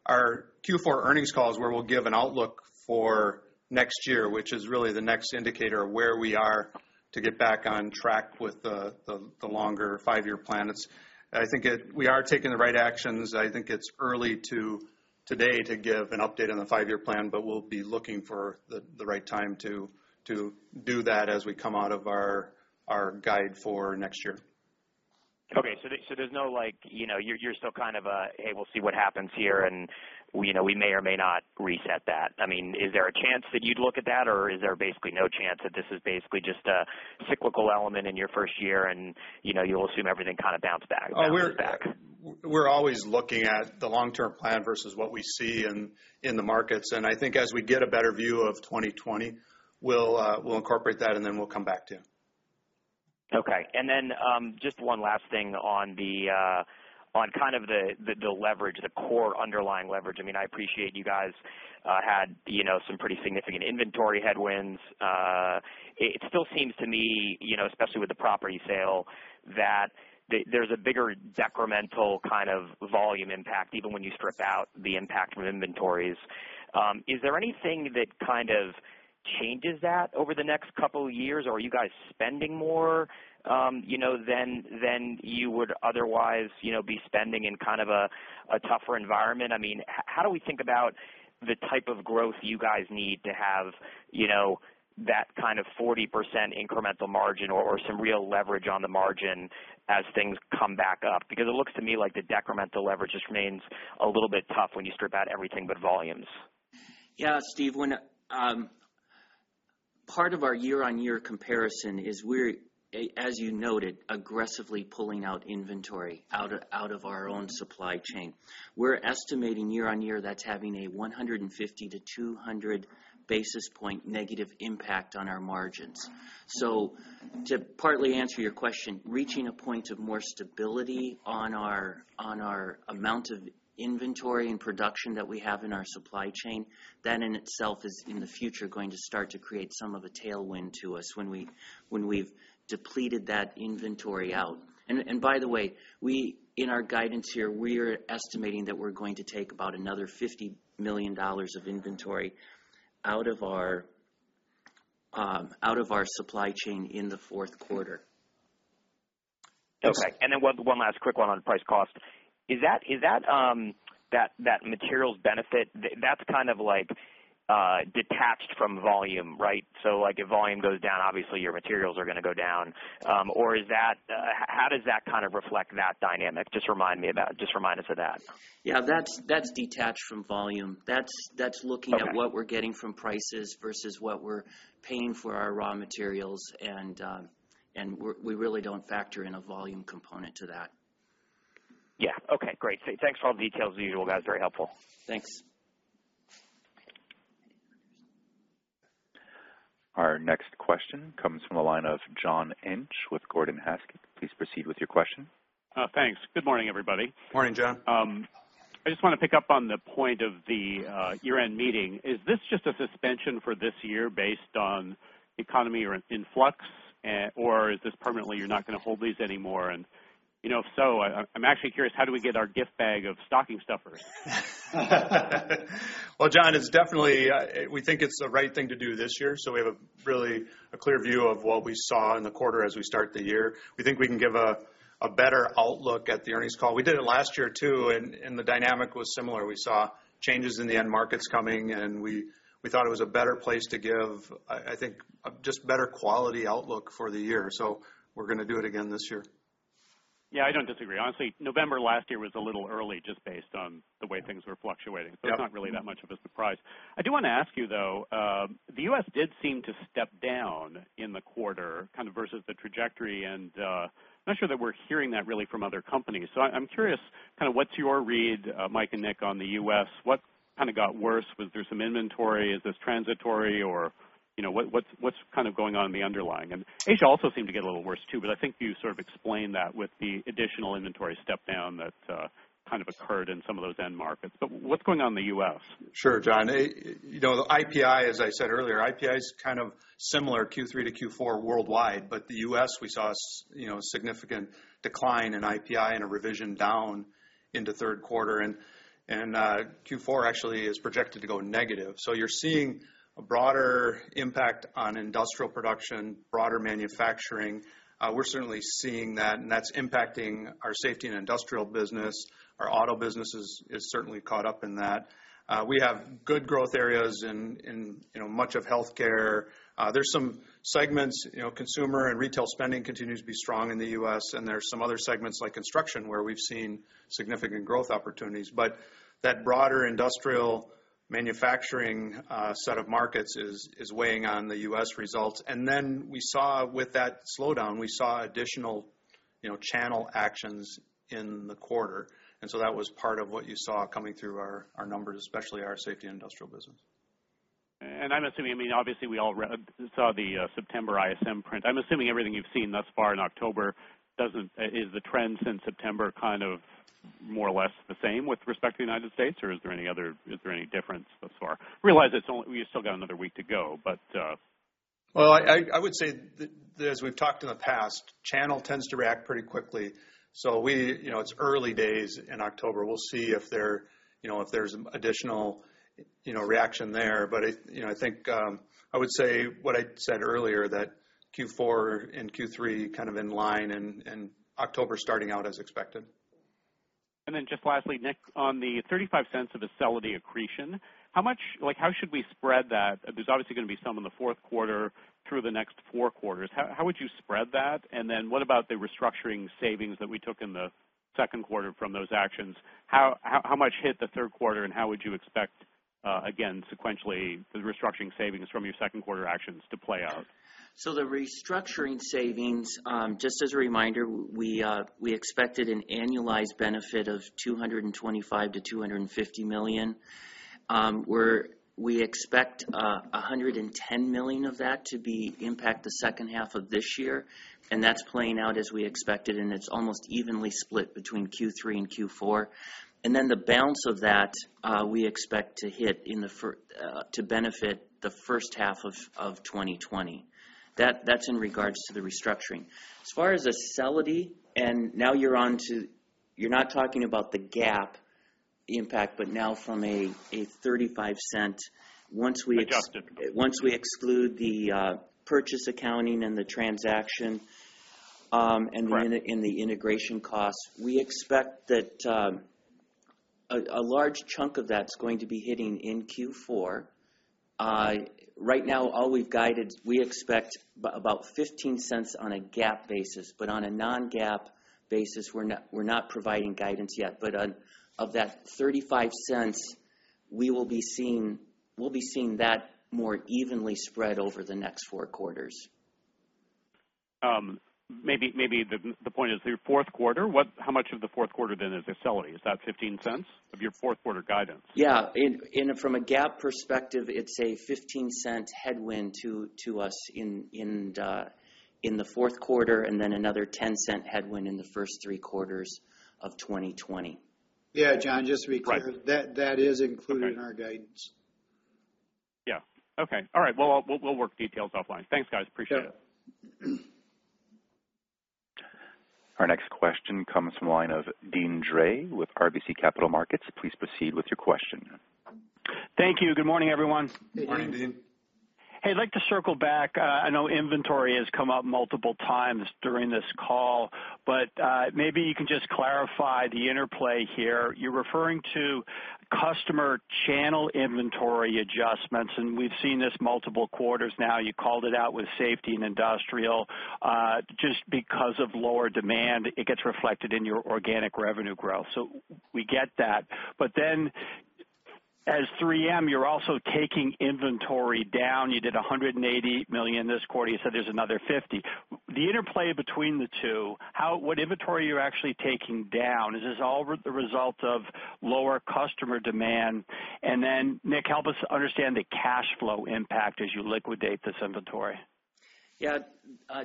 Our Q4 earnings call is where we'll give an outlook for next year, which is really the next indicator of where we are to get back on track with the longer five-year plan. I think we are taking the right actions. I think it's early today to give an update on the five-year plan, but we'll be looking for the right time to do that as we come out of our guide for next year. Okay. You're still kind of a, "Hey, we'll see what happens here," and, "We may or may not reset that." Is there a chance that you'd look at that, or is there basically no chance that this is basically just a cyclical element in your first year, and you'll assume everything kind of bounce back? We're always looking at the long-term plan versus what we see in the markets. I think as we get a better view of 2020, we'll incorporate that, and then we'll come back to you. Okay. Just one last thing on kind of the leverage, the core underlying leverage. I appreciate you guys had some pretty significant inventory headwinds. It still seems to me, especially with the property sale, that there's a bigger decremental kind of volume impact, even when you strip out the impact from inventories. Is there anything that kind of changes that over the next couple of years, or are you guys spending more than you would otherwise be spending in kind of a tougher environment? How do we think about the type of growth you guys need to have that kind of 40% incremental margin or some real leverage on the margin as things come back up? It looks to me like the decremental leverage just remains a little bit tough when you strip out everything but volumes. Yeah, Steve. Part of our year-on-year comparison is we're, as you noted, aggressively pulling out inventory out of our own supply chain. We're estimating year-on-year that's having a 150-200 basis point negative impact on our margins. To partly answer your question, reaching a point of more stability on our amount of inventory and production that we have in our supply chain, that in itself is, in the future, going to start to create some of a tailwind to us when we've depleted that inventory out. By the way, in our guidance here, we're estimating that we're going to take about another $50 million of inventory out of our supply chain in the fourth quarter. Okay. One last quick one on price cost. Is that materials benefit, that's kind of detached from volume, right? If volume goes down, obviously your materials are going to go down. How does that kind of reflect that dynamic? Just remind us of that. Yeah, that's detached from volume. Okay. That's looking at what we're getting from prices versus what we're paying for our raw materials. We really don't factor in a volume component to that. Yeah. Okay, great. Thanks for all the details as usual, guys. Very helpful. Thanks. Our next question comes from the line of John Inch with Gordon Haskett. Please proceed with your question. Thanks. Good morning, everybody. Morning, John. I just want to pick up on the point of the year-end meeting. Is this just a suspension for this year based on economy or an influx, or is this permanently you're not going to hold these anymore? If so, I'm actually curious, how do we get our gift bag of stocking stuffers? Well, John, we think it's the right thing to do this year. We have really a clear view of what we saw in the quarter as we start the year. We think we can give a better outlook at the earnings call. We did it last year, too. The dynamic was similar. We saw changes in the end markets coming. We thought it was a better place to give, I think, just better quality outlook for the year. We're going to do it again this year. Yeah, I don't disagree. Honestly, November last year was a little early just based on the way things were fluctuating. Yeah. It's not really that much of a surprise. I do want to ask you, though. The U.S. did seem to step down in the quarter versus the trajectory, and I'm not sure that we're hearing that really from other companies. I'm curious, what's your read, Mike and Nick, on the U.S.? What got worse? Was there some inventory? Is this transitory, or what's going on in the underlying? Asia also seemed to get a little worse, too, but I think you sort of explained that with the additional inventory step down that occurred in some of those end markets. What's going on in the U.S.? Sure, John. IPI, as I said earlier, IPI's kind of similar Q3 to Q4 worldwide. The U.S., we saw a significant decline in IPI and a revision down into third quarter. Q4 actually is projected to go negative. You're seeing a broader impact on industrial production, broader manufacturing. We're certainly seeing that, and that's impacting our Safety & Industrial business. Our auto business is certainly caught up in that. We have good growth areas in much of healthcare. There's some segments, consumer and retail spending continues to be strong in the U.S. There's some other segments like construction where we've seen significant growth opportunities. That broader industrial manufacturing set of markets is weighing on the U.S. results. With that slowdown, we saw additional channel actions in the quarter. That was part of what you saw coming through our numbers, especially our Safety & Industrial business. I'm assuming, obviously we all saw the September ISM print. I'm assuming everything you've seen thus far in October, is the trend since September kind of more or less the same with respect to the United States, or is there any difference thus far? Realize we've still got another week to go. Well, I would say, as we've talked in the past, channel tends to react pretty quickly. It's early days in October. We'll see if there's additional reaction there. I think I would say what I said earlier, that Q4 and Q3 kind of in line and October starting out as expected. Just lastly, Nick, on the $0.35 of Acelity accretion, how should we spread that? There's obviously going to be some in the fourth quarter through the next four quarters. How would you spread that? What about the restructuring savings that we took in the second quarter from those actions? How much hit the third quarter, and how would you expect, again, sequentially, the restructuring savings from your second quarter actions to play out? The restructuring savings, just as a reminder, we expected an annualized benefit of $225 million-$250 million. We expect $110 million of that to impact the second half of this year, that's playing out as we expected, it's almost evenly split between Q3 and Q4. The balance of that, we expect to benefit the first half of 2020. That's in regards to the restructuring. As far as Acelity, now you're not talking about the GAAP impact, now from a $0.35. Adjusted once we exclude the purchase accounting and the transaction. Right The integration costs, we expect that a large chunk of that's going to be hitting in Q4. Right now, all we've guided, we expect about $0.15 on a GAAP basis. On a non-GAAP basis, we're not providing guidance yet. Of that $0.35, we'll be seeing that more evenly spread over the next four quarters. Maybe the point is the fourth quarter. How much of the fourth quarter then is Acelity? Is that $0.15 of your fourth quarter guidance? Yeah. From a GAAP perspective, it's a $0.15 headwind to us in the fourth quarter, and then another $0.10 headwind in the first three quarters of 2020. Yeah, John, just to be clear- Right that is included in our guidance. Yeah. Okay. All right. We'll work details offline. Thanks, guys. Appreciate it. Sure. Our next question comes from the line of Deane Dray with RBC Capital Markets. Please proceed with your question. Thank you. Good morning, everyone. Good morning. Morning, Deane. Hey, I'd like to circle back. I know inventory has come up multiple times during this call. Maybe you can just clarify the interplay here. You're referring to customer channel inventory adjustments. We've seen this multiple quarters now. You called it out with Safety & Industrial. Just because of lower demand, it gets reflected in your organic revenue growth. We get that. As 3M, you're also taking inventory down. You did $180 million this quarter. You said there's another $50 million. The interplay between the two, what inventory are you actually taking down? Is this all the result of lower customer demand? Nick, help us understand the cash flow impact as you liquidate this inventory. Yeah.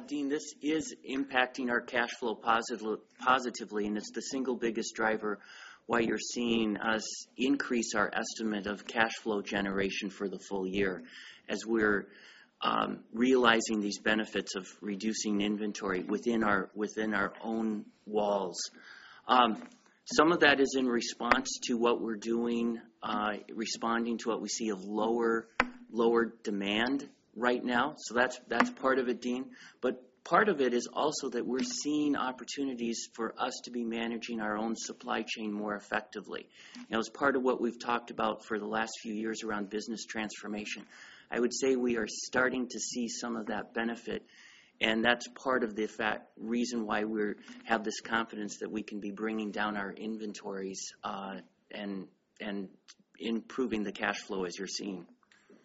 Deane, this is impacting our cash flow positively. It's the single biggest driver why you're seeing us increase our estimate of cash flow generation for the full year, as we're realizing these benefits of reducing inventory within our own walls. Some of that is in response to what we're doing, responding to what we see of lower demand right now. That's part of it, Deane. Part of it is also that we're seeing opportunities for us to be managing our own supply chain more effectively. It was part of what we've talked about for the last few years around business transformation. I would say we are starting to see some of that benefit. That's part of the reason why we have this confidence that we can be bringing down our inventories, and improving the cash flow as you're seeing.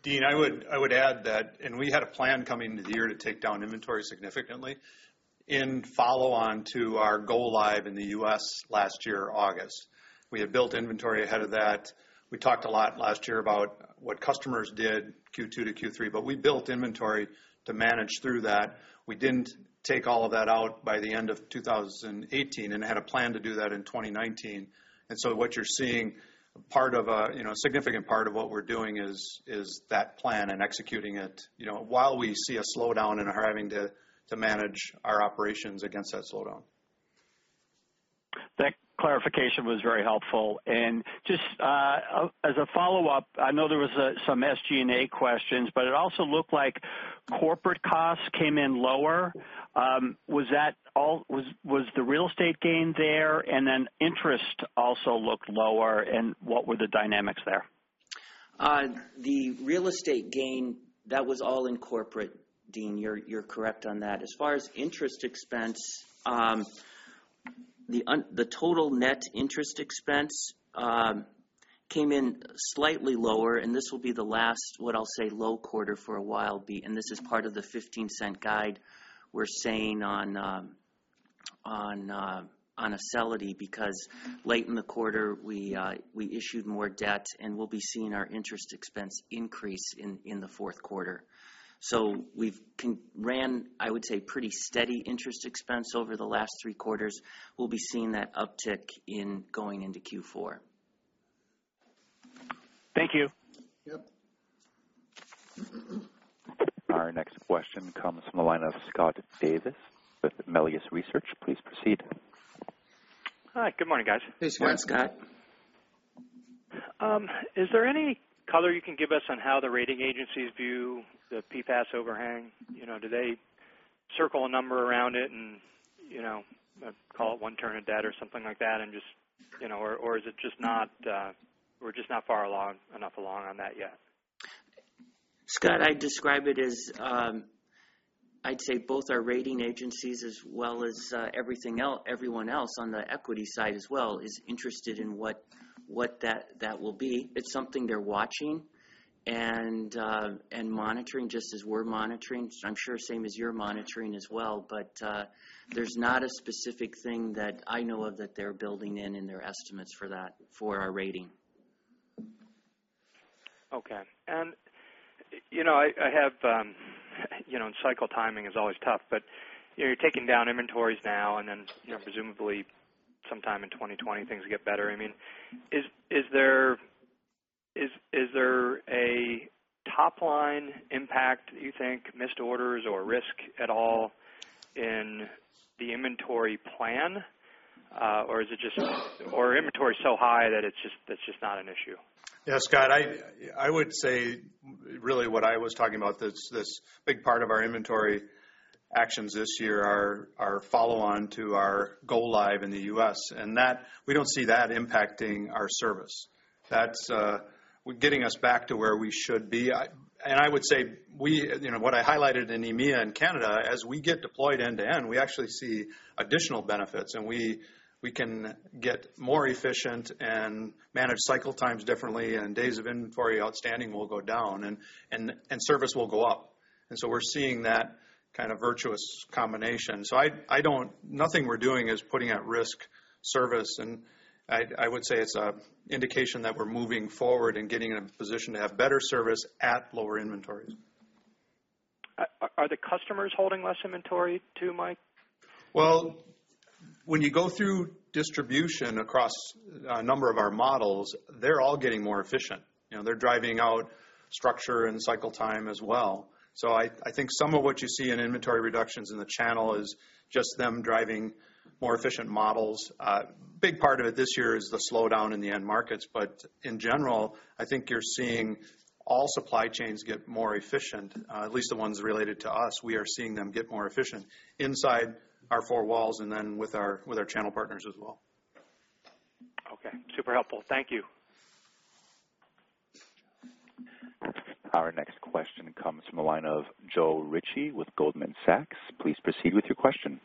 Deane, I would add that, we had a plan coming into the year to take down inventory significantly in follow-on to our go live in the U.S. last year, August. We had built inventory ahead of that. We talked a lot last year about what customers did Q2 to Q3, we built inventory to manage through that. We didn't take all of that out by the end of 2018 had a plan to do that in 2019. What you're seeing, a significant part of what we're doing is that plan executing it, while we see a slowdown are having to manage our operations against that slowdown. That clarification was very helpful. Just as a follow-up, I know there was some SG&A questions, but it also looked like corporate costs came in lower. Was the real estate gain there? Then interest also looked lower, and what were the dynamics there? The real estate gain, that was all in corporate, Deane. You're correct on that. As far as interest expense, the total net interest expense came in slightly lower, this will be the last, what I'll say, low quarter for a while, this is part of the $0.15 guide we're saying on Acelity. Late in the quarter, we issued more debt, we'll be seeing our interest expense increase in the fourth quarter. We've run, I would say, pretty steady interest expense over the last three quarters. We'll be seeing that uptick going into Q4. Thank you. Yep. Our next question comes from the line of Scott Davis with Melius Research. Please proceed. Hi, good morning, guys. Good morning, Scott. Is there any color you can give us on how the rating agencies view the PFAS overhang? Do they circle a number around it and call it one turn of debt or something like that, or we're just not far enough along on that yet? Scott, I'd say both our rating agencies as well as everyone else on the equity side as well, is interested in what that will be. It's something they're watching and monitoring, just as we're monitoring. I'm sure same as you're monitoring as well. There's not a specific thing that I know of that they're building in in their estimates for our rating. Okay. Cycle timing is always tough. You're taking down inventories now, and then presumably sometime in 2020, things will get better. Is there a top-line impact, do you think, missed orders or risk at all in the inventory plan? Inventory is so high that it's just not an issue? Yeah, Scott, I would say, really what I was talking about, this big part of our inventory actions this year are follow-on to our go-live in the U.S. We don't see that impacting our service. That's getting us back to where we should be. I would say, what I highlighted in EMEA and Canada, as we get deployed end-to-end, we actually see additional benefits. We can get more efficient and manage cycle times differently. Days of inventory outstanding will go down. Service will go up. We're seeing that kind of virtuous combination. Nothing we're doing is putting at risk service. I would say it's an indication that we're moving forward and getting in a position to have better service at lower inventories. Are the customers holding less inventory too, Mike? Well, when you go through distribution across a number of our models, they're all getting more efficient. They're driving out structure and cycle time as well. I think some of what you see in inventory reductions in the channel is just them driving more efficient models. A big part of it this year is the slowdown in the end markets, but in general, I think you're seeing all supply chains get more efficient, at least the ones related to us. We are seeing them get more efficient inside our four walls and then with our channel partners as well. Okay. Super helpful. Thank you. Our next question comes from the line of Joe Ritchie with Goldman Sachs. Please proceed with your question.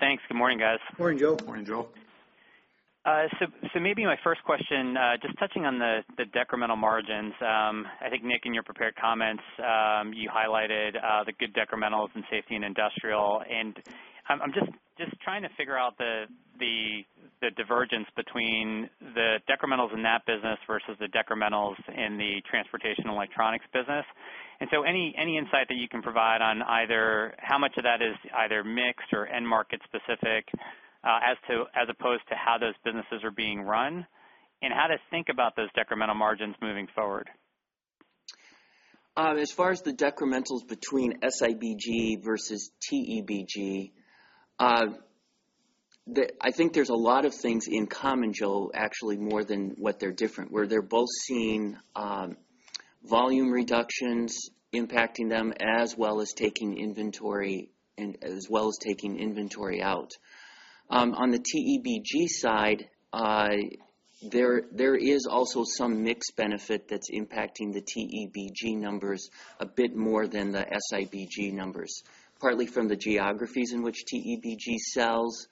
Thanks. Good morning, guys. Morning, Joe. Morning, Joe. Maybe my first question, just touching on the decremental margins. I think Nick, in your prepared comments, you highlighted the good decrementals in Safety & Industrial, and I'm just trying to figure out the divergence between the decrementals in that business versus the decrementals in the Transportation & Electronics business. Any insight that you can provide on either how much of that is either mixed or end market specific as opposed to how those businesses are being run, and how to think about those decremental margins moving forward? As far as the decrementals between SIBG versus TEBG, I think there's a lot of things in common, Joe, actually, more than what they're different, where they're both seeing volume reductions impacting them, as well as taking inventory out. On the TEBG side, there is also some mix benefit that's impacting the TEBG numbers a bit more than the SIBG numbers, partly from the geographies in which TEBG sells,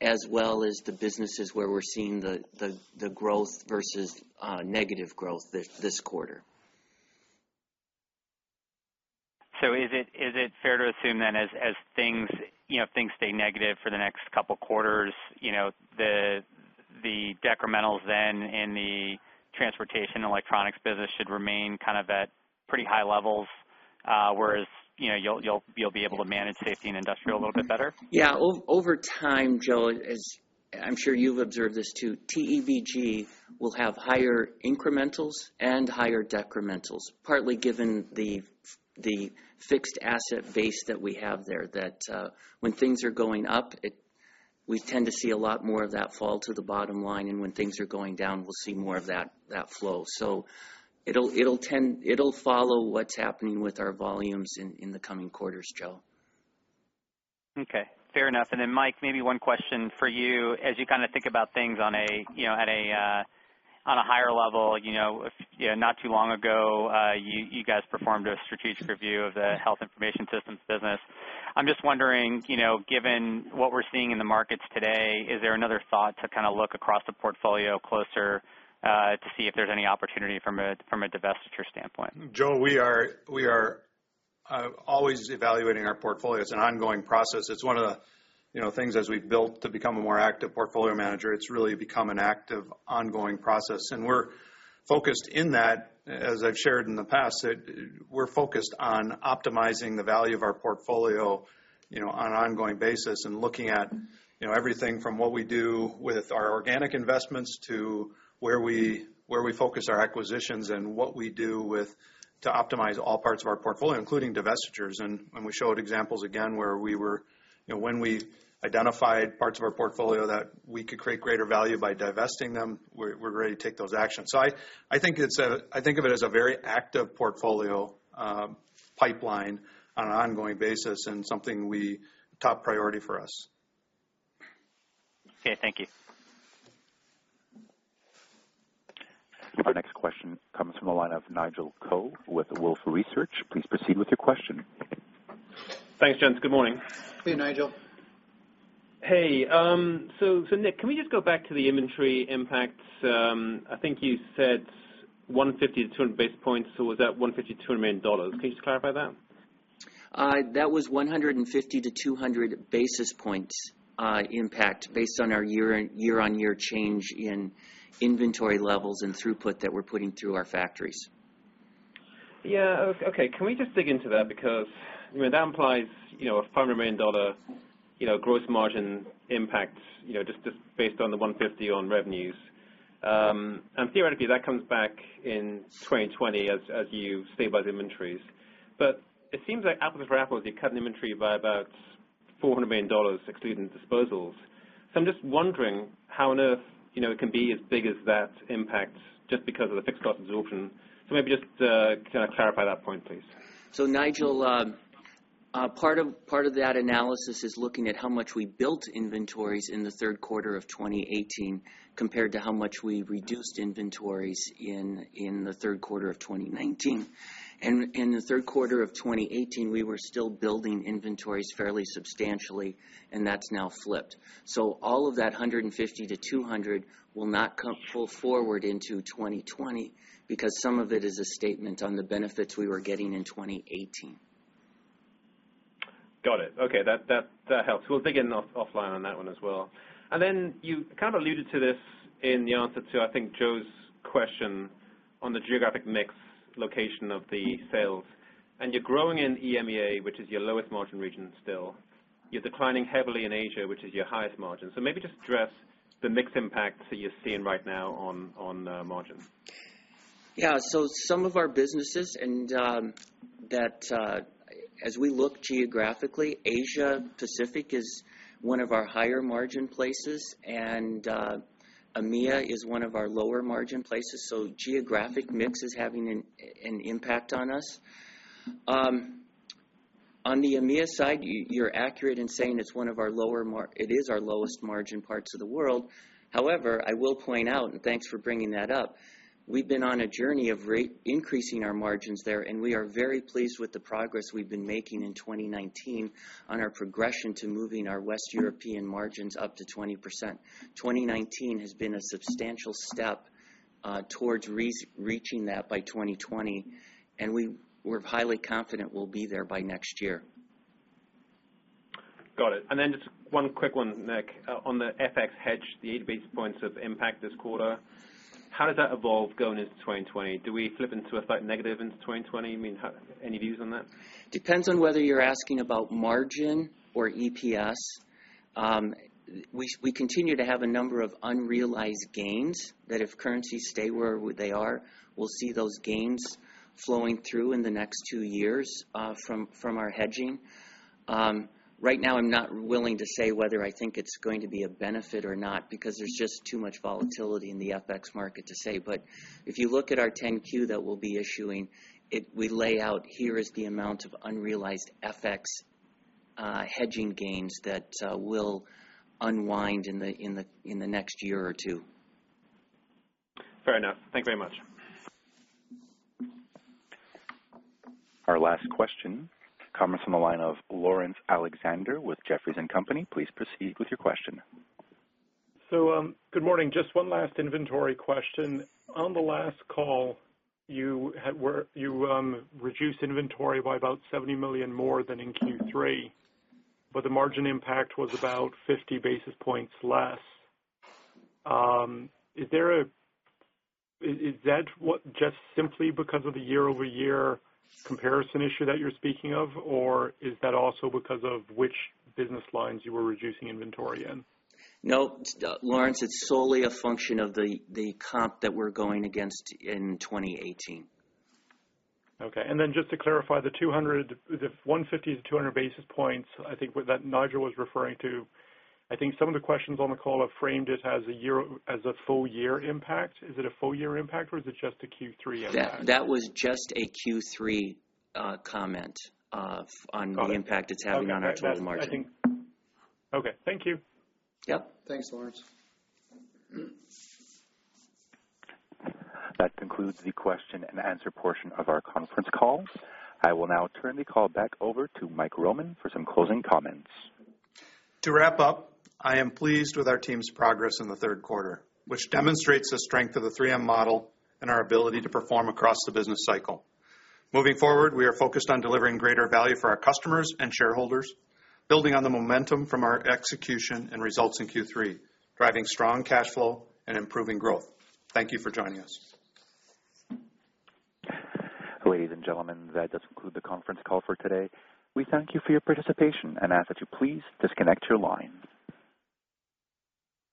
as well as the businesses where we're seeing the growth versus negative growth this quarter. Is it fair to assume then, as things stay negative for the next couple of quarters, the decrementals then in the Transportation & Electronics business should remain at pretty high levels, whereas you'll be able to manage Safety & Industrial a little bit better? Yeah. Over time, Joe, as I'm sure you've observed this too, TEBG will have higher incrementals and higher decrementals, partly given the fixed asset base that we have there, that when things are going up, we tend to see a lot more of that fall to the bottom line, and when things are going down, we'll see more of that flow. It'll follow what's happening with our volumes in the coming quarters, Joe. Okay. Fair enough. Mike, maybe one question for you. As you kind of think about things on a higher level, not too long ago, you guys performed a strategic review of the Health Information Systems business. I'm just wondering, given what we're seeing in the markets today, is there another thought to kind of look across the portfolio closer, to see if there's any opportunity from a divestiture standpoint? Joe, we are always evaluating our portfolio. It's an ongoing process. It's one of the things as we've built to become a more active portfolio manager. It's really become an active, ongoing process. We're focused in that, as I've shared in the past, that we're focused on optimizing the value of our portfolio on an ongoing basis and looking at everything from what we do with our organic investments to where we focus our acquisitions and what we do to optimize all parts of our portfolio, including divestitures. We showed examples again, when we identified parts of our portfolio that we could create greater value by divesting them, we're ready to take those actions. I think of it as a very active portfolio pipeline on an ongoing basis and something we top priority for us. Okay. Thank you. Your next question comes from the line of Nigel Coe with Wolfe Research. Please proceed with your question. Thanks, gents. Good morning. Hey, Nigel. Hey. Nick, can we just go back to the inventory impacts? I think you said 150 to 200 basis points, or was that $150 million-$200 million? Can you just clarify that? That was 150-200 basis points impact based on our year-over-year change in inventory levels and throughput that we're putting through our factories. Yeah. Okay. Can we just dig into that? That implies a $500 million gross margin impact just based on the $150 on revenues. Theoretically, that comes back in 2020 as you stabilize inventories. It seems like apples for apples, you cut an inventory by about $400 million excluding disposals. I'm just wondering how on earth it can be as big as that impact just because of the fixed cost absorption. Maybe just clarify that point, please. Nigel, part of that analysis is looking at how much we built inventories in the third quarter of 2018 compared to how much we reduced inventories in the third quarter of 2019. In the third quarter of 2018, we were still building inventories fairly substantially, and that's now flipped. All of that $150-$200 will not come full forward into 2020 because some of it is a statement on the benefits we were getting in 2018. Got it. Okay. That helps. We'll dig in offline on that one as well. Then you kind of alluded to this in the answer to, I think, Joe's question on the geographic mix location of the sales. You're growing in EMEA, which is your lowest margin region still. You're declining heavily in Asia, which is your highest margin. Maybe just address the mix impacts that you're seeing right now on the margins. Yeah. Some of our businesses, and that as we look geographically, Asia Pacific is one of our higher margin places, and EMEA is one of our lower margin places, so geographic mix is having an impact on us. On the EMEA side, you're accurate in saying it is our lowest margin parts of the world. However, I will point out, and thanks for bringing that up, we've been on a journey of increasing our margins there, and we are very pleased with the progress we've been making in 2019 on our progression to moving our West European margins up to 20%. 2019 has been a substantial step towards reaching that by 2020, and we're highly confident we'll be there by next year. Got it. Just one quick one, Nick. On the FX hedge, the eight basis points of impact this quarter, how does that evolve going into 2020? Do we flip into a slight negative into 2020? Any views on that? Depends on whether you're asking about margin or EPS. We continue to have a number of unrealized gains that if currencies stay where they are, we'll see those gains flowing through in the next two years from our hedging. Right now I'm not willing to say whether I think it's going to be a benefit or not because there's just too much volatility in the FX market to say. If you look at our 10-Q that we'll be issuing, we lay out, here is the amount of unrealized FX hedging gains that will unwind in the next year or two. Fair enough. Thank you very much. Our last question comes from the line of Laurence Alexander with Jefferies & Company. Please proceed with your question. Good morning. Just one last inventory question. On the last call, you reduced inventory by about $70 million more than in Q3, but the margin impact was about 50 basis points less. Is that just simply because of the year-over-year comparison issue that you're speaking of? Or is that also because of which business lines you were reducing inventory in? No, Laurence, it's solely a function of the comp that we're going against in 2018. Okay. Then just to clarify the 200, the 150 to 200 basis points, I think that Nigel was referring to, I think some of the questions on the call have framed it as a full year impact. Is it a full year impact, or is it just a Q3 impact? That was just a Q3 comment on the impact it's having on our total margin. Okay. Thank you. Yep. Thanks, Laurence. That concludes the question and answer portion of our conference call. I will now turn the call back over to Mike Roman for some closing comments. To wrap up, I am pleased with our team's progress in the third quarter, which demonstrates the strength of the 3M model and our ability to perform across the business cycle. Moving forward, we are focused on delivering greater value for our customers and shareholders, building on the momentum from our execution and results in Q3, driving strong cash flow and improving growth. Thank you for joining us. Ladies and gentlemen, that does conclude the conference call for today. We thank you for your participation and ask that you please disconnect your line.